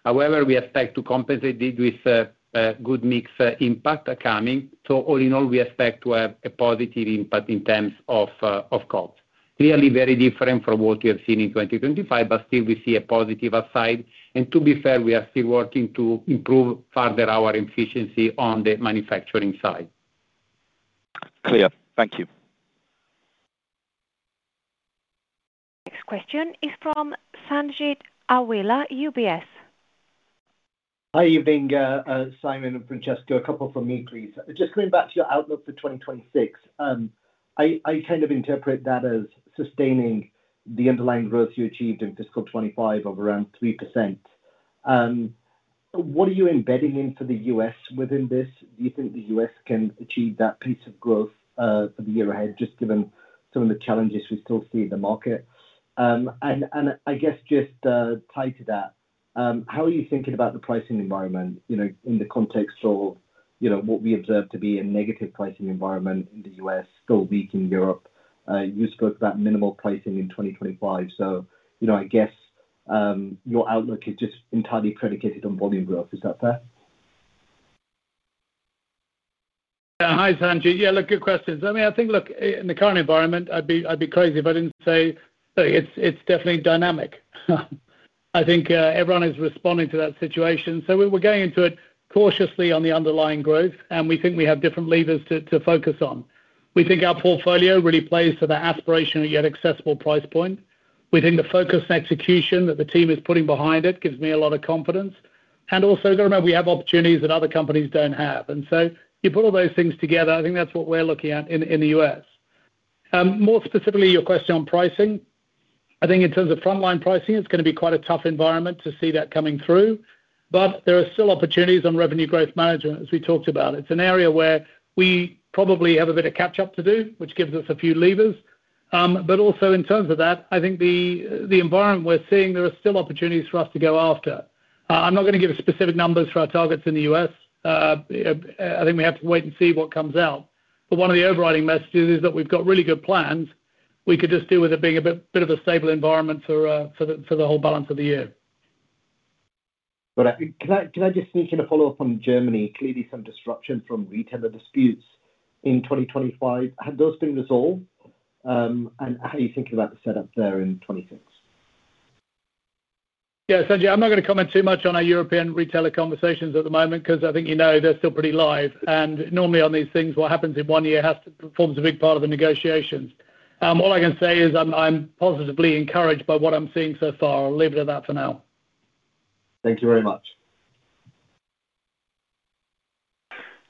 However, we expect to compensate it with a good mix impact coming. All in all, we expect to have a positive impact in terms of COGS. Clearly very different from what we have seen in 2025, but still we see a positive aside. To be fair, we are still working to improve further our efficiency on the manufacturing side. Clear. Thank you. Next question is from Sanjeet Aujla, UBS. Hi, Ivanka, Simon and Francesco. A couple from me, please. Just going back to your outlook for 2026. I kind of interpret that as sustaining the underlying growth you achieved in fiscal 2025 of around 3%. What are you embedding in for the U.S. within this? Do you think the U.S. can achieve that pace of growth for the year ahead, just given some of the challenges we still see in the market? I guess just tied to that, how are you thinking about the pricing environment, you know, in the context of, you know, what we observe to be a negative pricing environment in the U.S., still weak in Europe? You spoke about minimal pricing in 2025. You know, I guess, your outlook is just entirely predicated on volume growth. Is that fair? Hi, Sanjeet. Look, good questions. I mean, I think, look, in the current environment, I'd be crazy if I didn't say it's definitely dynamic. I think everyone is responding to that situation. We're going into it cautiously on the underlying growth, and we think we have different levers to focus on. We think our portfolio really plays to the aspirational yet accessible price point. We think the focused execution that the team is putting behind it gives me a lot of confidence. Also, remember, we have opportunities that other companies don't have. You put all those things together, I think that's what we're looking at in the U.S. More specifically, your question on pricing. I think in terms of frontline pricing, it's gonna be quite a tough environment to see that coming through. There are still opportunities on revenue growth management, as we talked about. It's an area where we probably have a bit of catch-up to do, which gives us a few levers. Also in terms of that, I think the environment we're seeing, there are still opportunities for us to go after. I'm not gonna give specific numbers for our targets in the U.S. I think we have to wait and see what comes out. One of the overriding messages is that we've got really good plans. We could just do with it being a bit of a stable environment for the whole balance of the year. Can I just sneak in a follow-up on Germany? Clearly some disruption from retailer disputes in 2025. Have those been resolved? How are you thinking about the setup there in 2026? Yeah, Sanjeet, I'm not gonna comment too much on our European retailer conversations at the moment, 'cause I think you know they're still pretty live. Normally on these things, what happens in one year has to perform as a big part of the negotiations. All I can say is I'm positively encouraged by what I'm seeing so far. I'll leave it at that for now. Thank you very much.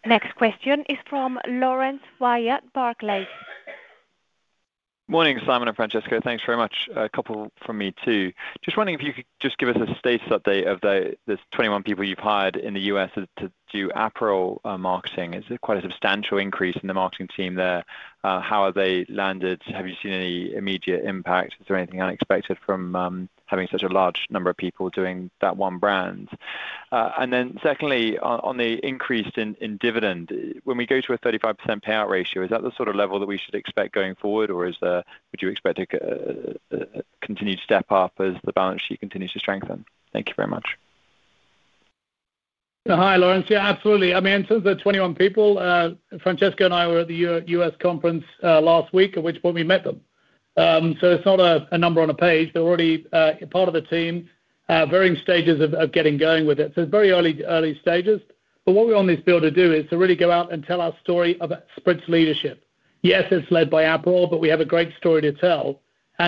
Next question is from Laurence Whyatt, Barclays. Morning, Simon and Francesco. Thanks very much. A couple from me too. Just wondering if you could just give us a status update of the, those 21 people you've hired in the U.S. to do Aperol marketing? It's quite a substantial increase in the marketing team there. How have they landed? Have you seen any immediate impact? Is there anything unexpected from having such a large number of people doing that one brand? Secondly, on the increase in dividend, when we go to a 35% payout ratio, is that the sort of level that we should expect going forward or is there? Would you expect it to continue to step up as the balance sheet continues to strengthen? Thank you very much. Hi, Laurence. Yeah, absolutely. I mean, in terms of the 21 people, Francesco and I were at the U.S. conference last week, at which point we met them. It's not a number on a page. They're already part of the team at varying stages of getting going with it. It's very early stages. What we want this build to do is to really go out and tell our story about Spritz leadership. Yes, it's led by Aperol, we have a great story to tell.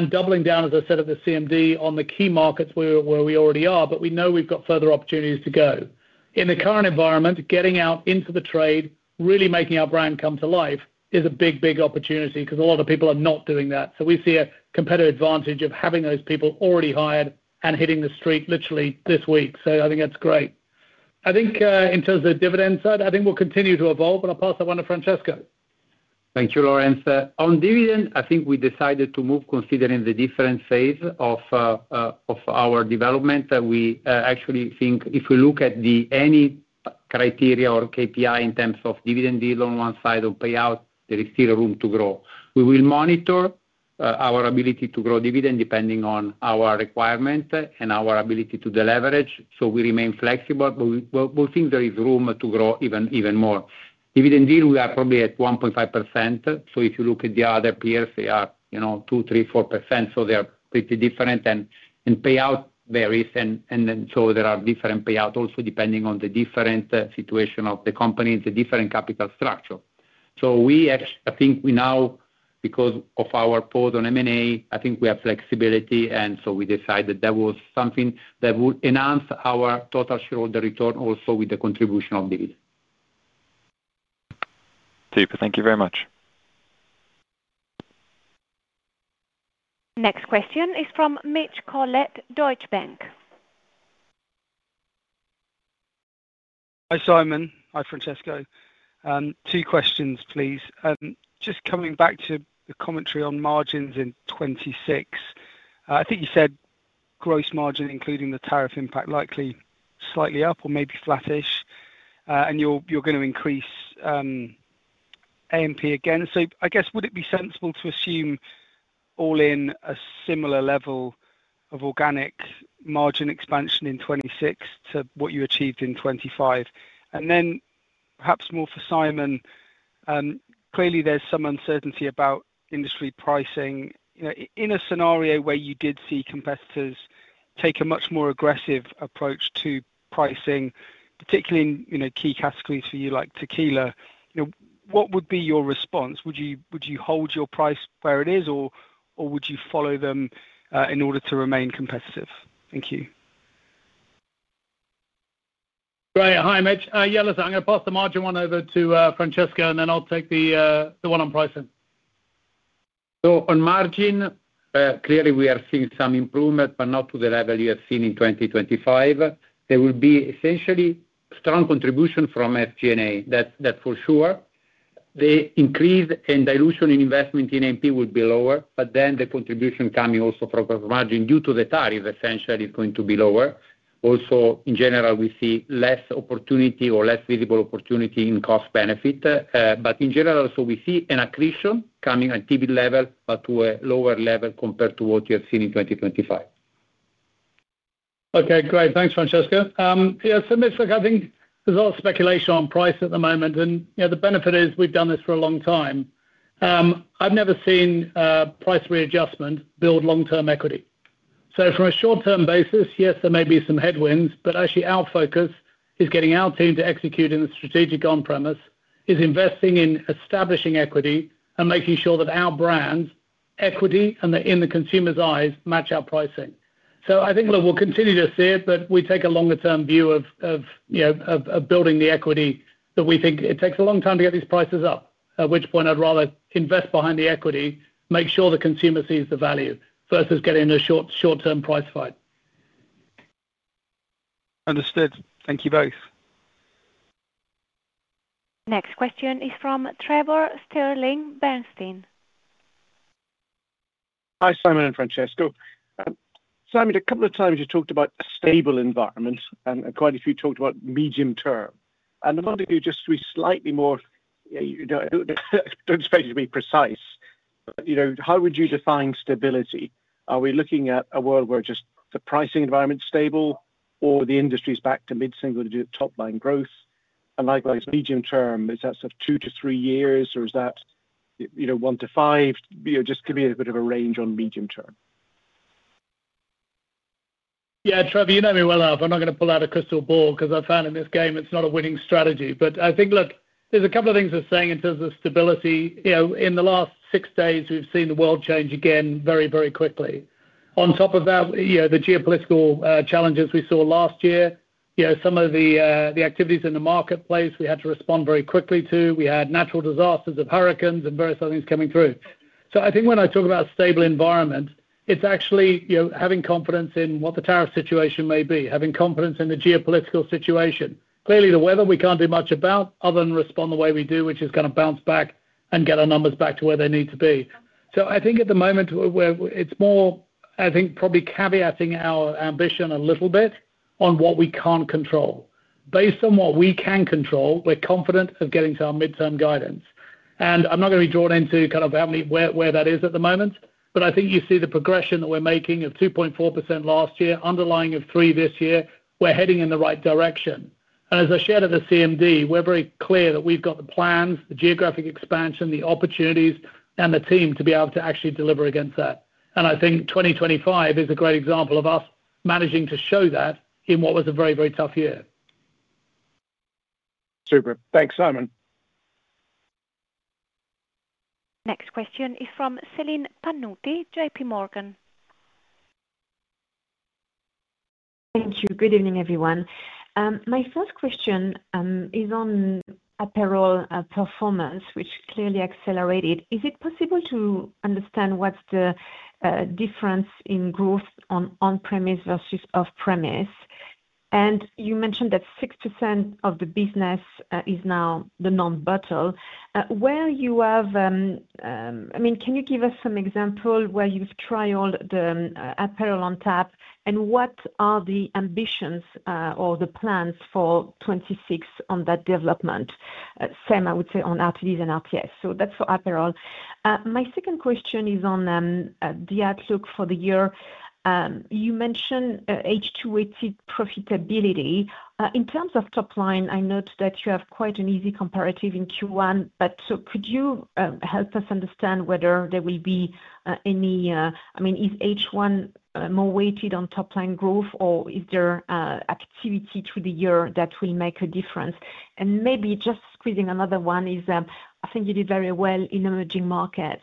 Doubling down, as I said at the CMD, on the key markets where we already are, we know we've got further opportunities to go. In the current environment, getting out into the trade, really making our brand come to life is a big, big opportunity because a lot of people are not doing that. We see a competitive advantage of having those people already hired and hitting the street literally this week. I think that's great. I think, in terms of the dividend side, I think we'll continue to evolve, but I'll pass that one to Francesco. Thank you, Lawrence. On dividend, I think we decided to move considering the different phase of our development. We actually think if we look at any criteria or KPI in terms of dividend deal on one side or payout, there is still room to grow. We will monitor our ability to grow dividend depending on our requirement and our ability to deleverage, so we remain flexible. We think there is room to grow even more. Dividend yield, we are probably at 1.5%. If you look at the other peers, they are, you know, 2%, 3%, 4%, so they are pretty different. In payout varies, there are different payout also depending on the different situation of the company, the different capital structure. I think we now, because of our pause on M&A, I think we have flexibility we decided that was something that would enhance our total shareholder return also with the contribution of dividend. Super. Thank you very much. Next question is from Mitchell Collett, Deutsche Bank. Hi, Simon. Hi, Francesco. Two questions, please. Just coming back to the commentary on margins in 2026. I think you said gross margin, including the tariff impact, likely slightly up or maybe flattish. You're gonna increase AMP again. I guess would it be sensible to assume all in a similar level of organic margin expansion in 2026 to what you achieved in 2025? Perhaps more for Simon, clearly there's some uncertainty about industry pricing. You know, in a scenario where you did see competitors take a much more aggressive approach to pricing, particularly in, you know, key categories for you, like tequila, you know, what would be your response? Would you hold your price where it is or would you follow them in order to remain competitive? Thank you. Great. Hi, Mitch. Yeah, listen, I'm gonna pass the margin one over to Francesco and then I'll take the one on pricing. On margin, clearly we are seeing some improvement, but not to the level you have seen in 2025. There will be essentially strong contribution from SG&A, that's for sure. The increase in dilution in investment in AMP would be lower, but then the contribution coming also from gross margin due to the tariff essentially is going to be lower. Also, in general, we see less opportunity or less visible opportunity in cost benefit. In general also, we see an accretion coming at EBITDA level, but to a lower level compared to what you have seen in 2025. Okay, great. Thanks, Francesco. Yeah, Mitch, look, I think there's a lot of speculation on price at the moment, you know, the benefit is we've done this for a long time. I've never seen price readjustment build long-term equity. From a short-term basis, yes, there may be some headwinds, but actually our focus is getting our team to execute in the strategic on-premise, is investing in establishing equity and making sure that our brands' equity in the consumer's eyes match our pricing. I think, look, we'll continue to see it, but we take a longer term view of, you know, of building the equity that we think it takes a long time to get these prices up. At which point I'd rather invest behind the equity, make sure the consumer sees the value versus getting in a short-term price fight. Understood. Thank you both. Next question is from Trevor Stirling Bernstein. Hi, Simon and Francesco. Simon, a couple of times you talked about stable environment, and quite a few talked about medium term. I wonder if you just be slightly more, you know, don't expect you to be precise, but, you know, how would you define stability? Are we looking at a world where just the pricing environment's stable or the industry's back to mid-single-digit top-line growth? Likewise, medium term, is that sort of 2-3 years or is that, you know, 1-5? You know, just give me a bit of a range on medium term. Yeah, Trevor, you know me well enough. I'm not gonna pull out a crystal ball 'cause I found in this game it's not a winning strategy. I think, look, there's a couple of things we're saying in terms of stability. You know, in the last six days, we've seen the world change again very, very quickly. On top of that, you know, the geopolitical challenges we saw last year. You know, some of the activities in the marketplace we had to respond very quickly to. We had natural disasters of hurricanes and various other things coming through. I think when I talk about stable environment, it's actually, you know, having confidence in what the tariff situation may be, having confidence in the geopolitical situation. Clearly, the weather we can't do much about other than respond the way we do, which is gonna bounce back and get our numbers back to where they need to be. I think at the moment it's more, I think, probably caveating our ambition a little bit on what we can't control. Based on what we can control, we're confident of getting to our midterm guidance. I'm not gonna be drawn into kind of where that is at the moment, but I think you see the progression that we're making of 2.4% last year, underlying of 3% this year. We're heading in the right direction. As I shared at the CMD, we're very clear that we've got the plans, the geographic expansion, the opportunities and the team to be able to actually deliver against that. I think 2025 is a great example of us managing to show that in what was a very, very tough year. Super. Thanks, Simon. Next question is from Celine Pannuti, J.P. Morgan. Thank you. Good evening, everyone. My first question is on Aperol performance, which clearly accelerated. Is it possible to understand what's the difference in growth on on-premise versus off-premise? You mentioned that 6% of the business is now the non-bottle. I mean, can you give us some example where you've trialed the Aperol on tap, and what are the ambitions or the plans for 2026 on that development? Same, I would say on RTDs and RPS. That's for Aperol. My second question is on the outlook for the year. You mentioned H2 weighted profitability. In terms of top line, I note that you have quite an easy comparative in Q1, but so could you help us understand whether there will be any, I mean, is H1 more weighted on top line growth or is there activity through the year that will make a difference? Maybe just squeezing another one is, I think you did very well in emerging markets.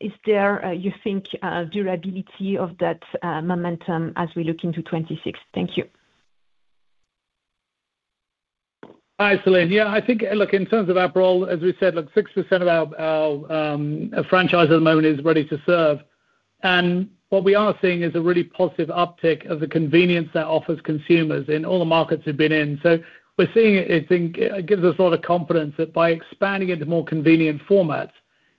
Is there, you think, durability of that momentum as we look into 2026? Thank you. Hi, Celine. Yeah, I think, look, in terms of Aperol, as we said, look, 6% of our franchise at the moment is ready to serve. What we are seeing is a really positive uptick of the convenience that offers consumers in all the markets we've been in. We're seeing it, I think, it gives us a lot of confidence that by expanding into more convenient formats,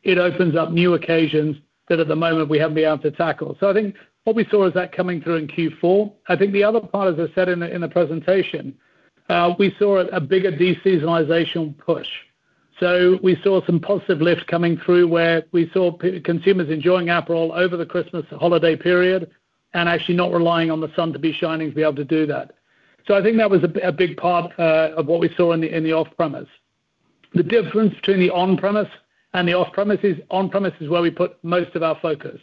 it opens up new occasions that at the moment we haven't been able to tackle. I think what we saw is that coming through in Q4. I think the other part, as I said in the, in the presentation, we saw a bigger deseasonalization push. We saw some positive lift coming through where we saw consumers enjoying Aperol over the Christmas holiday period and actually not relying on the sun to be shining to be able to do that. I think that was a big part of what we saw in the off-premise. The difference between the on-premise and the off-premise is on-premise is where we put most of our focus.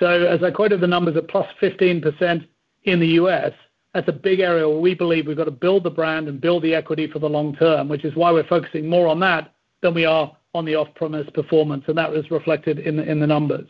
As I quoted the numbers at +15% in the U.S., that's a big area where we believe we've got to build the brand and build the equity for the long term, which is why we're focusing more on that than we are on the off-premise performance, and that is reflected in the numbers.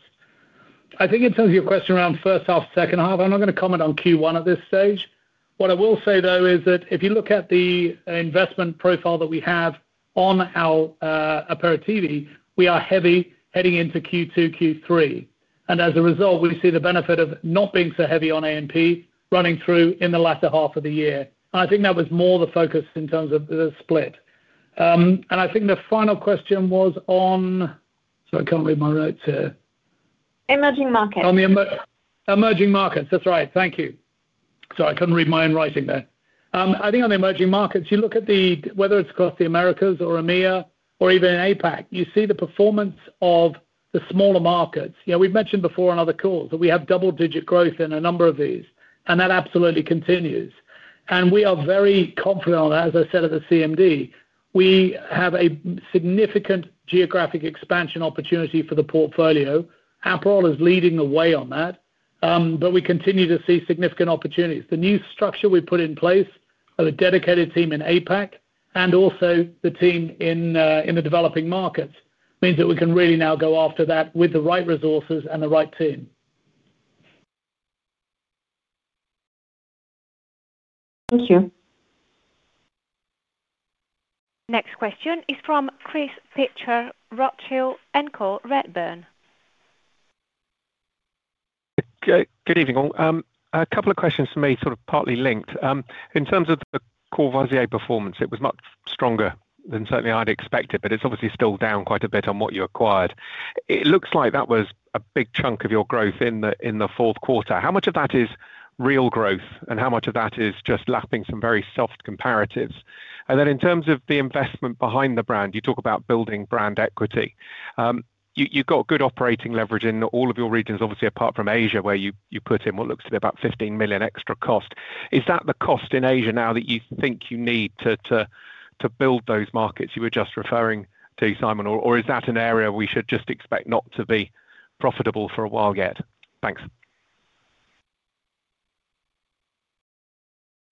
I think in terms of your question around first half, second half, I'm not gonna comment on Q1 at this stage. What I will say, though, is that if you look at the investment profile that we have on our Aperol TV, we are heavy heading into Q2, Q3, and as a result, we see the benefit of not being so heavy on A&P running through in the latter half of the year. I think that was more the focus in terms of the split. I think the final question was. Sorry, I can't read my notes here. Emerging markets. On the emerging markets. That's right. Thank you. Sorry, I couldn't read my own writing there. I think on the emerging markets, you look at the, whether it's across the Americas or EMEA or even APAC, you see the performance of the smaller markets. You know, we've mentioned before on other calls that we have double-digit growth in a number of these, and that absolutely continues. We are very confident, as I said at the CMD, we have a significant geographic expansion opportunity for the portfolio. Aperol is leading the way on that, but we continue to see significant opportunities. The new structure we've put in place of a dedicated team in APAC and also the team in the developing markets means that we can really now go after that with the right resources and the right team. Thank you. Next question is from Chris Pitcher, Rothschild & Co Redburn. Good evening all. A couple of questions for me, sort of partly linked. In terms of the Courvoisier performance, it was much stronger than certainly I'd expected, but it's obviously still down quite a bit on what you acquired. It looks like that was a big chunk of your growth in the fourth quarter. How much of that is real growth and how much of that is just lapping some very soft comparatives? Then in terms of the investment behind the brand, you talk about building brand equity. You've got good operating leverage in all of your regions, obviously, apart from Asia, where you put in what looks to be about 15 million extra cost. Is that the cost in Asia now that you think you need to build those markets you were just referring to, Simon? Is that an area we should just expect not to be profitable for a while yet? Thanks.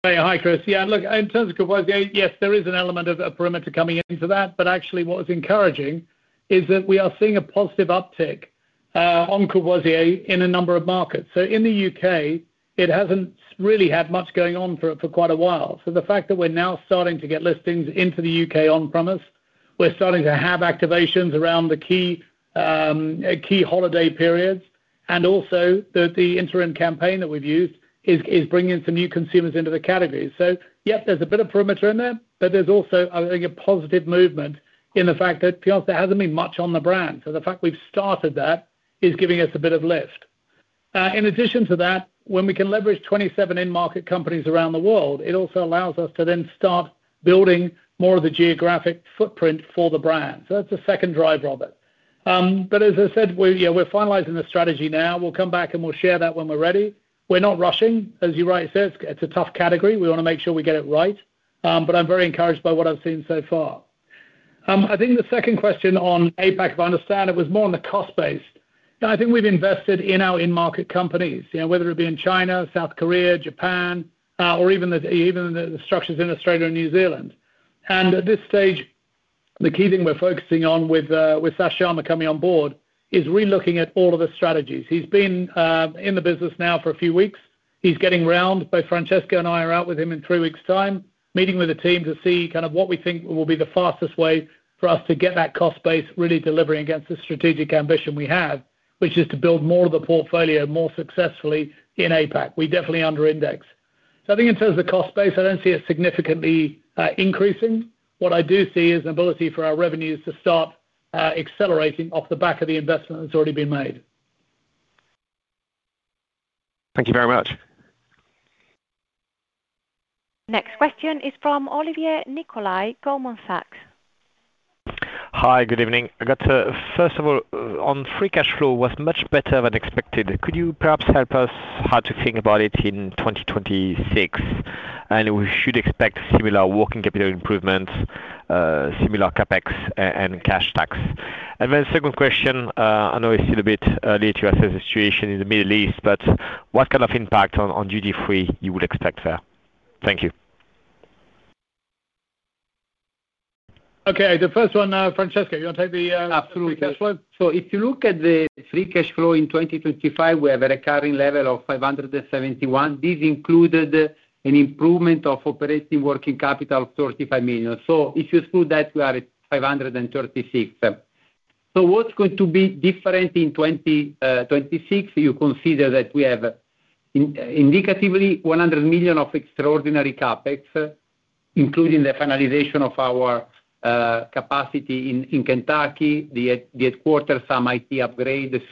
Hi, Chris. Yeah, look, in terms of Courvoisier, yes, there is an element of a perimeter coming into that, but actually what is encouraging is that we are seeing a positive uptick on Courvoisier in a number of markets. In the U.K., it hasn't really had much going on for quite a while. The fact that we're now starting to get listings into the U.K. on-premise, we're starting to have activations around the key holiday periods, and also the interim campaign that we've used is bringing some new consumers into the category. Yes, there's a bit of perimeter in there, but there's also a positive movement in the fact that previously there hasn't been much on the brand. The fact we've started that is giving us a bit of lift. In addition to that, when we can leverage 2027 end market companies around the world, it also allows us to then start building more of the geographic footprint for the brand. That's the second drive of it. As I said, we're finalizing the strategy now. We'll come back, and we'll share that when we're ready. We're not rushing. As you rightly said, it's a tough category. We want to make sure we get it right. I'm very encouraged by what I've seen so far. I think the second question on APAC, if I understand, it was more on the cost base. I think we've invested in our in-market companies, you know, whether it be in China, South Korea, Japan, or the structures in Australia and New Zealand. At this stage, the key thing we're focusing on with Sash Sharma coming on board is re-looking at all of the strategies. He's been in the business now for a few weeks. He's getting round. Both Francesco and I are out with him in 3 weeks time, meeting with the team to see kind of what we think will be the fastest way for us to get that cost base really delivering against the strategic ambition we have, which is to build more of the portfolio more successfully in APAC. We definitely under index. I think in terms of the cost base, I don't see it significantly increasing. What I do see is an ability for our revenues to start accelerating off the back of the investment that's already been made. Thank you very much. Next question is from Olivier Nicolai, Goldman Sachs. Hi, good evening. I got, first of all, on free cash flow was much better than expected. Could you perhaps help us how to think about it in 2026? We should expect similar working capital improvements, similar CapEx and cash tax. Second question, I know it's still a bit early to assess the situation in the Middle East, but what kind of impact on duty-free you would expect there? Thank you. Okay. The first one, Francesco, you wanna take the. Absolutely. Free cash flow? If you look at the free cash flow in 2025, we have a recurring level of 571. This included an improvement of operating working capital of 35 million. If you exclude that, we are at 536. What's going to be different in 2026? You consider that we have indicatively 100 million of extraordinary CapEx, including the finalization of our capacity in Kentucky, the headquarter, some IT upgrade. This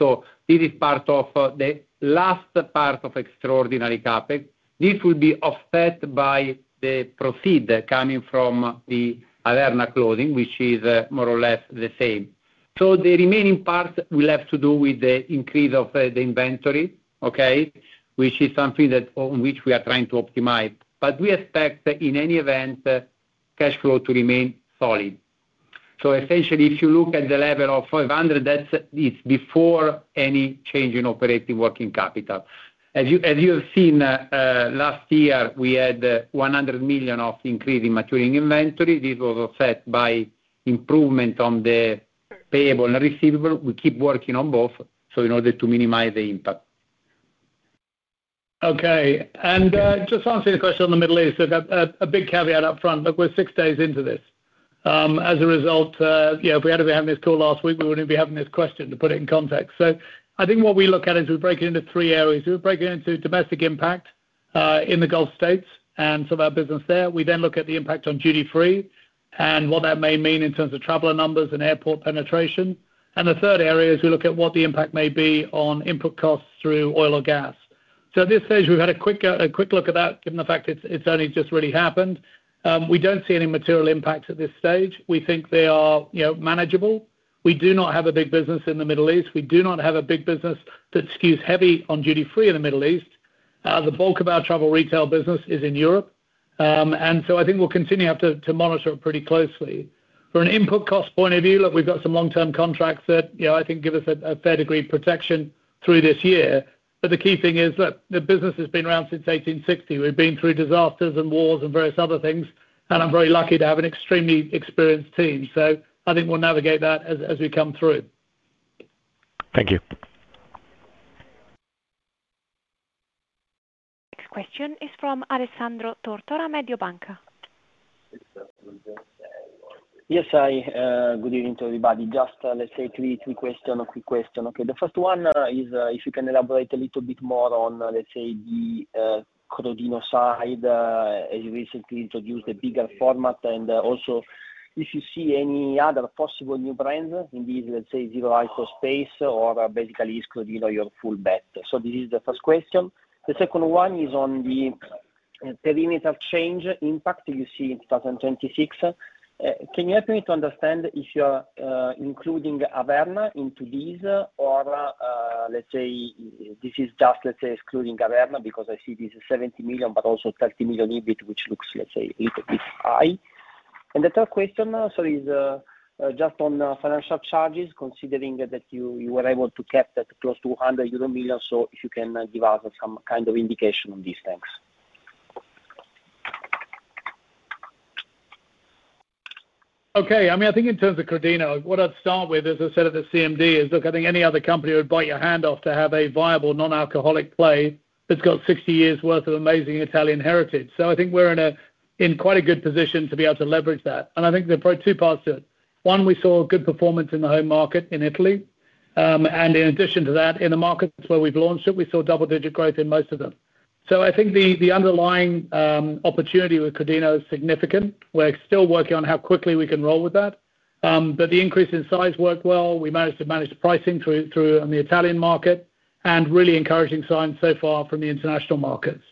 is part of the last part of extraordinary CapEx. This will be offset by the proceed coming from the Alena closing, which is more or less the same. The remaining part will have to do with the increase of the inventory, okay. Which is something that on which we are trying to optimize. We expect in any event, cash flow to remain solid. Essentially, if you look at the level of 500, it's before any change in operating working capital. As you have seen, last year, we had 100 million of increase in maturing inventory. This was offset by improvement on the payable and receivable. We keep working on both, so in order to minimize the impact. Okay. Just answering the question on the Middle East, a big caveat up front, look, we're 6 days into this. As a result, you know, if we had to be having this call last week, we wouldn't be having this question to put it in context. I think what we look at is we break it into three areas. We break it into domestic impact in the Gulf States and some of our business there. We then look at the impact on duty-free and what that may mean in terms of traveler numbers and airport penetration. The third area is we look at what the impact may be on input costs through oil or gas. At this stage, we've had a quick look at that, given the fact it's only just really happened. We don't see any material impact at this stage. We think they are, you know, manageable. We do not have a big business in the Middle East. We do not have a big business that skews heavy on duty-free in the Middle East. The bulk of our travel retail business is in Europe. I think we'll continue to monitor it pretty closely. From an input cost point of view, look, we've got some long-term contracts that, you know, I think give us a fair degree of protection through this year. The key thing is that the business has been around since 1860. We've been through disasters and wars and various other things, and I'm very lucky to have an extremely experienced team. So I think we'll navigate that as we come through. Thank you. Next question is from Alessandro Tortora, Mediobanca. Yes. Hi. Good evening to everybody. Just, let's say three question or quick question, okay. The first one is if you can elaborate a little bit more on, let's say the Crodino side, as you recently introduced a bigger format, and also if you see any other possible new brands in this, let's say, zero ice or space or basically is Crodino your full bet. This is the first question. The second one is on the perimeter change impact you see in 2026. Can you help me to understand if you are including Averna into this or, let's say, this is just, let's say, excluding Averna because I see this is 70 million but also 30 million EBIT which looks, let's say, a little bit high. The third question, so is, just on the financial charges, considering that you were able to cap that close to 100 million euro, so if you can give us some kind of indication on these things? I mean, I think in terms of Crodino, what I'd start with, as I said at the CMD, is look, I think any other company would bite your hand off to have a viable non-alcoholic play that's got 60 years worth of amazing Italian heritage. I think we're in a, in quite a good position to be able to leverage that. I think there are two parts to it. One, we saw good performance in the home market in Italy. In addition to that, in the markets where we've launched it, we saw double-digit growth in most of them. I think the underlying opportunity with Crodino is significant. We're still working on how quickly we can roll with that. But the increase in size worked well. We managed to manage the pricing through in the Italian market. Really encouraging signs so far from the international markets.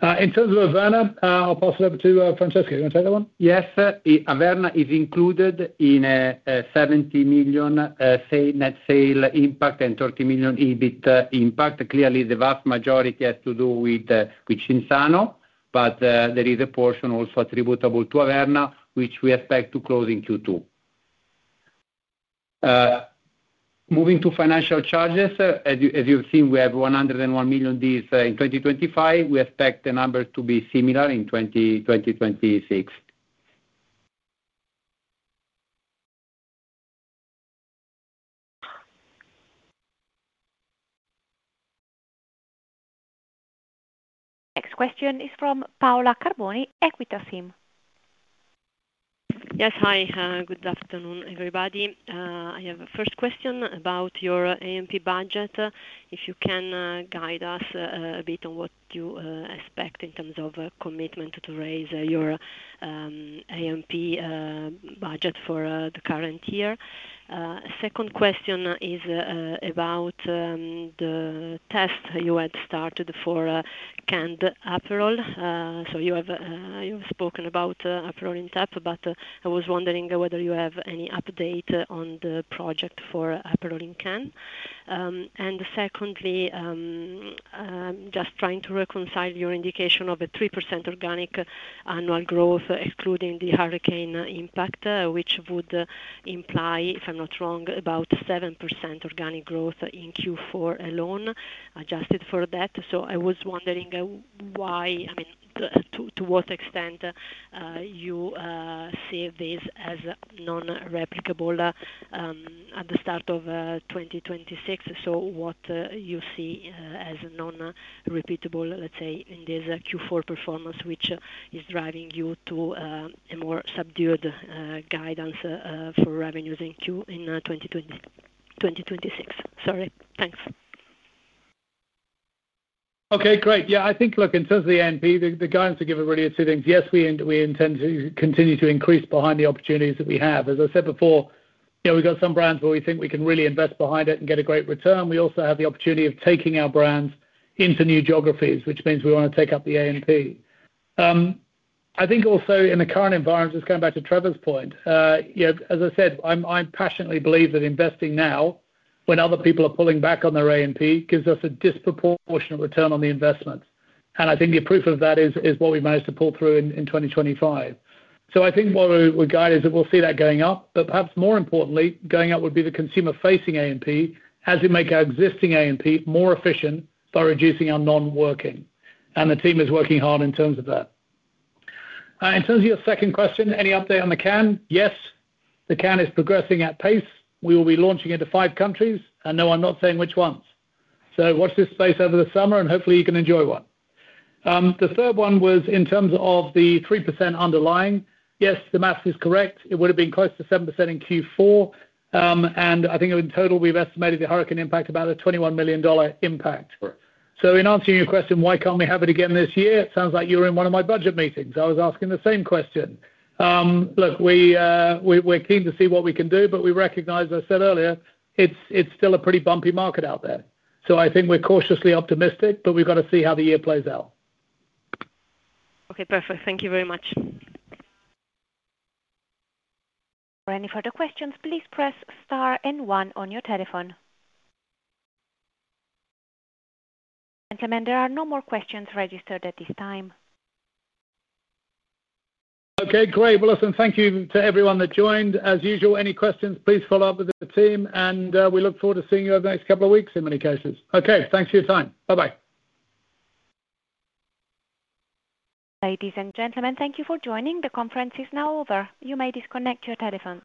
In terms of Averna, I'll pass it over to Francesco. You wanna take that one? Yes. Averna is included in a 70 million net sale impact and 30 million EBIT impact. Clearly, the vast majority has to do with Cinzano. There is a portion also attributable to Averna, which we expect to close in Q2. Moving to financial charges, as you have seen, we have 101 million this in 2025. We expect the numbers to be similar in 2026. Next question is from Paola Carboni, EQUITA SIM. Yes. Hi. good afternoon, everybody. I have a first question about your A&P budget. If you can guide us a bit on what you expect in terms of commitment to raise your A&P budget for the current year. Second question is about the test you had started for canned Aperol. You have you've spoken about Aperol in tap, but I was wondering whether you have any update on the project for Aperol in can. Secondly, just trying to reconcile your indication of a 3% organic annual growth excluding the hurricane impact, which would imply, if I'm not wrong, about 7% organic growth in Q4 alone, adjusted for that. I was wondering why, I mean, to what extent, you see this as non-replicable at the start of 2026. What you see as non-repeatable, let's say, in this Q4 performance, which is driving you to a more subdued guidance for revenues in 2026. Sorry. Thanks. Okay, great. Yeah, I think, look, in terms of the AMP, the guidance to give it really is two things. Yes, we intend to continue to increase behind the opportunities that we have. As I said before, you know, we've got some brands where we think we can really invest behind it and get a great return. We also have the opportunity of taking our brands into new geographies, which means we wanna take up the AMP. I think also in the current environment, just going back to Trevor's point, you know, as I said, I passionately believe that investing now when other people are pulling back on their AMP gives us a disproportionate return on the investment. I think the proof of that is what we've managed to pull through in 2025. I think what we guide is that we'll see that going up, but perhaps more importantly, going up would be the consumer-facing AMP as we make our existing AMP more efficient by reducing our non-working. The team is working hard in terms of that. In terms of your second question, any update on the can? Yes, the can is progressing at pace. We will be launching into five countries, and no, I'm not saying which ones. Watch this space over the summer, and hopefully you can enjoy one. The third one was in terms of the 3% underlying. Yes, the math is correct. It would have been close to 7% in Q4. I think in total, we've estimated the hurricane impact about a $21 million impact. Correct. In answering your question, why can't we have it again this year? It sounds like you were in one of my budget meetings. I was asking the same question. Look, we're keen to see what we can do, but we recognize, as I said earlier, it's still a pretty bumpy market out there. I think we're cautiously optimistic, but we've got to see how the year plays out. Okay. Perfect. Thank you very much. For any further questions, please press star and one on your telephone. Gentlemen, there are no more questions registered at this time. Okay, great. Well, listen, thank you to everyone that joined. As usual, any questions, please follow up with the team. We look forward to seeing you over the next couple of weeks in many cases. Okay, thanks for your time. Bye-bye. Ladies and gentlemen, thank you for joining. The conference is now over. You may disconnect your telephones.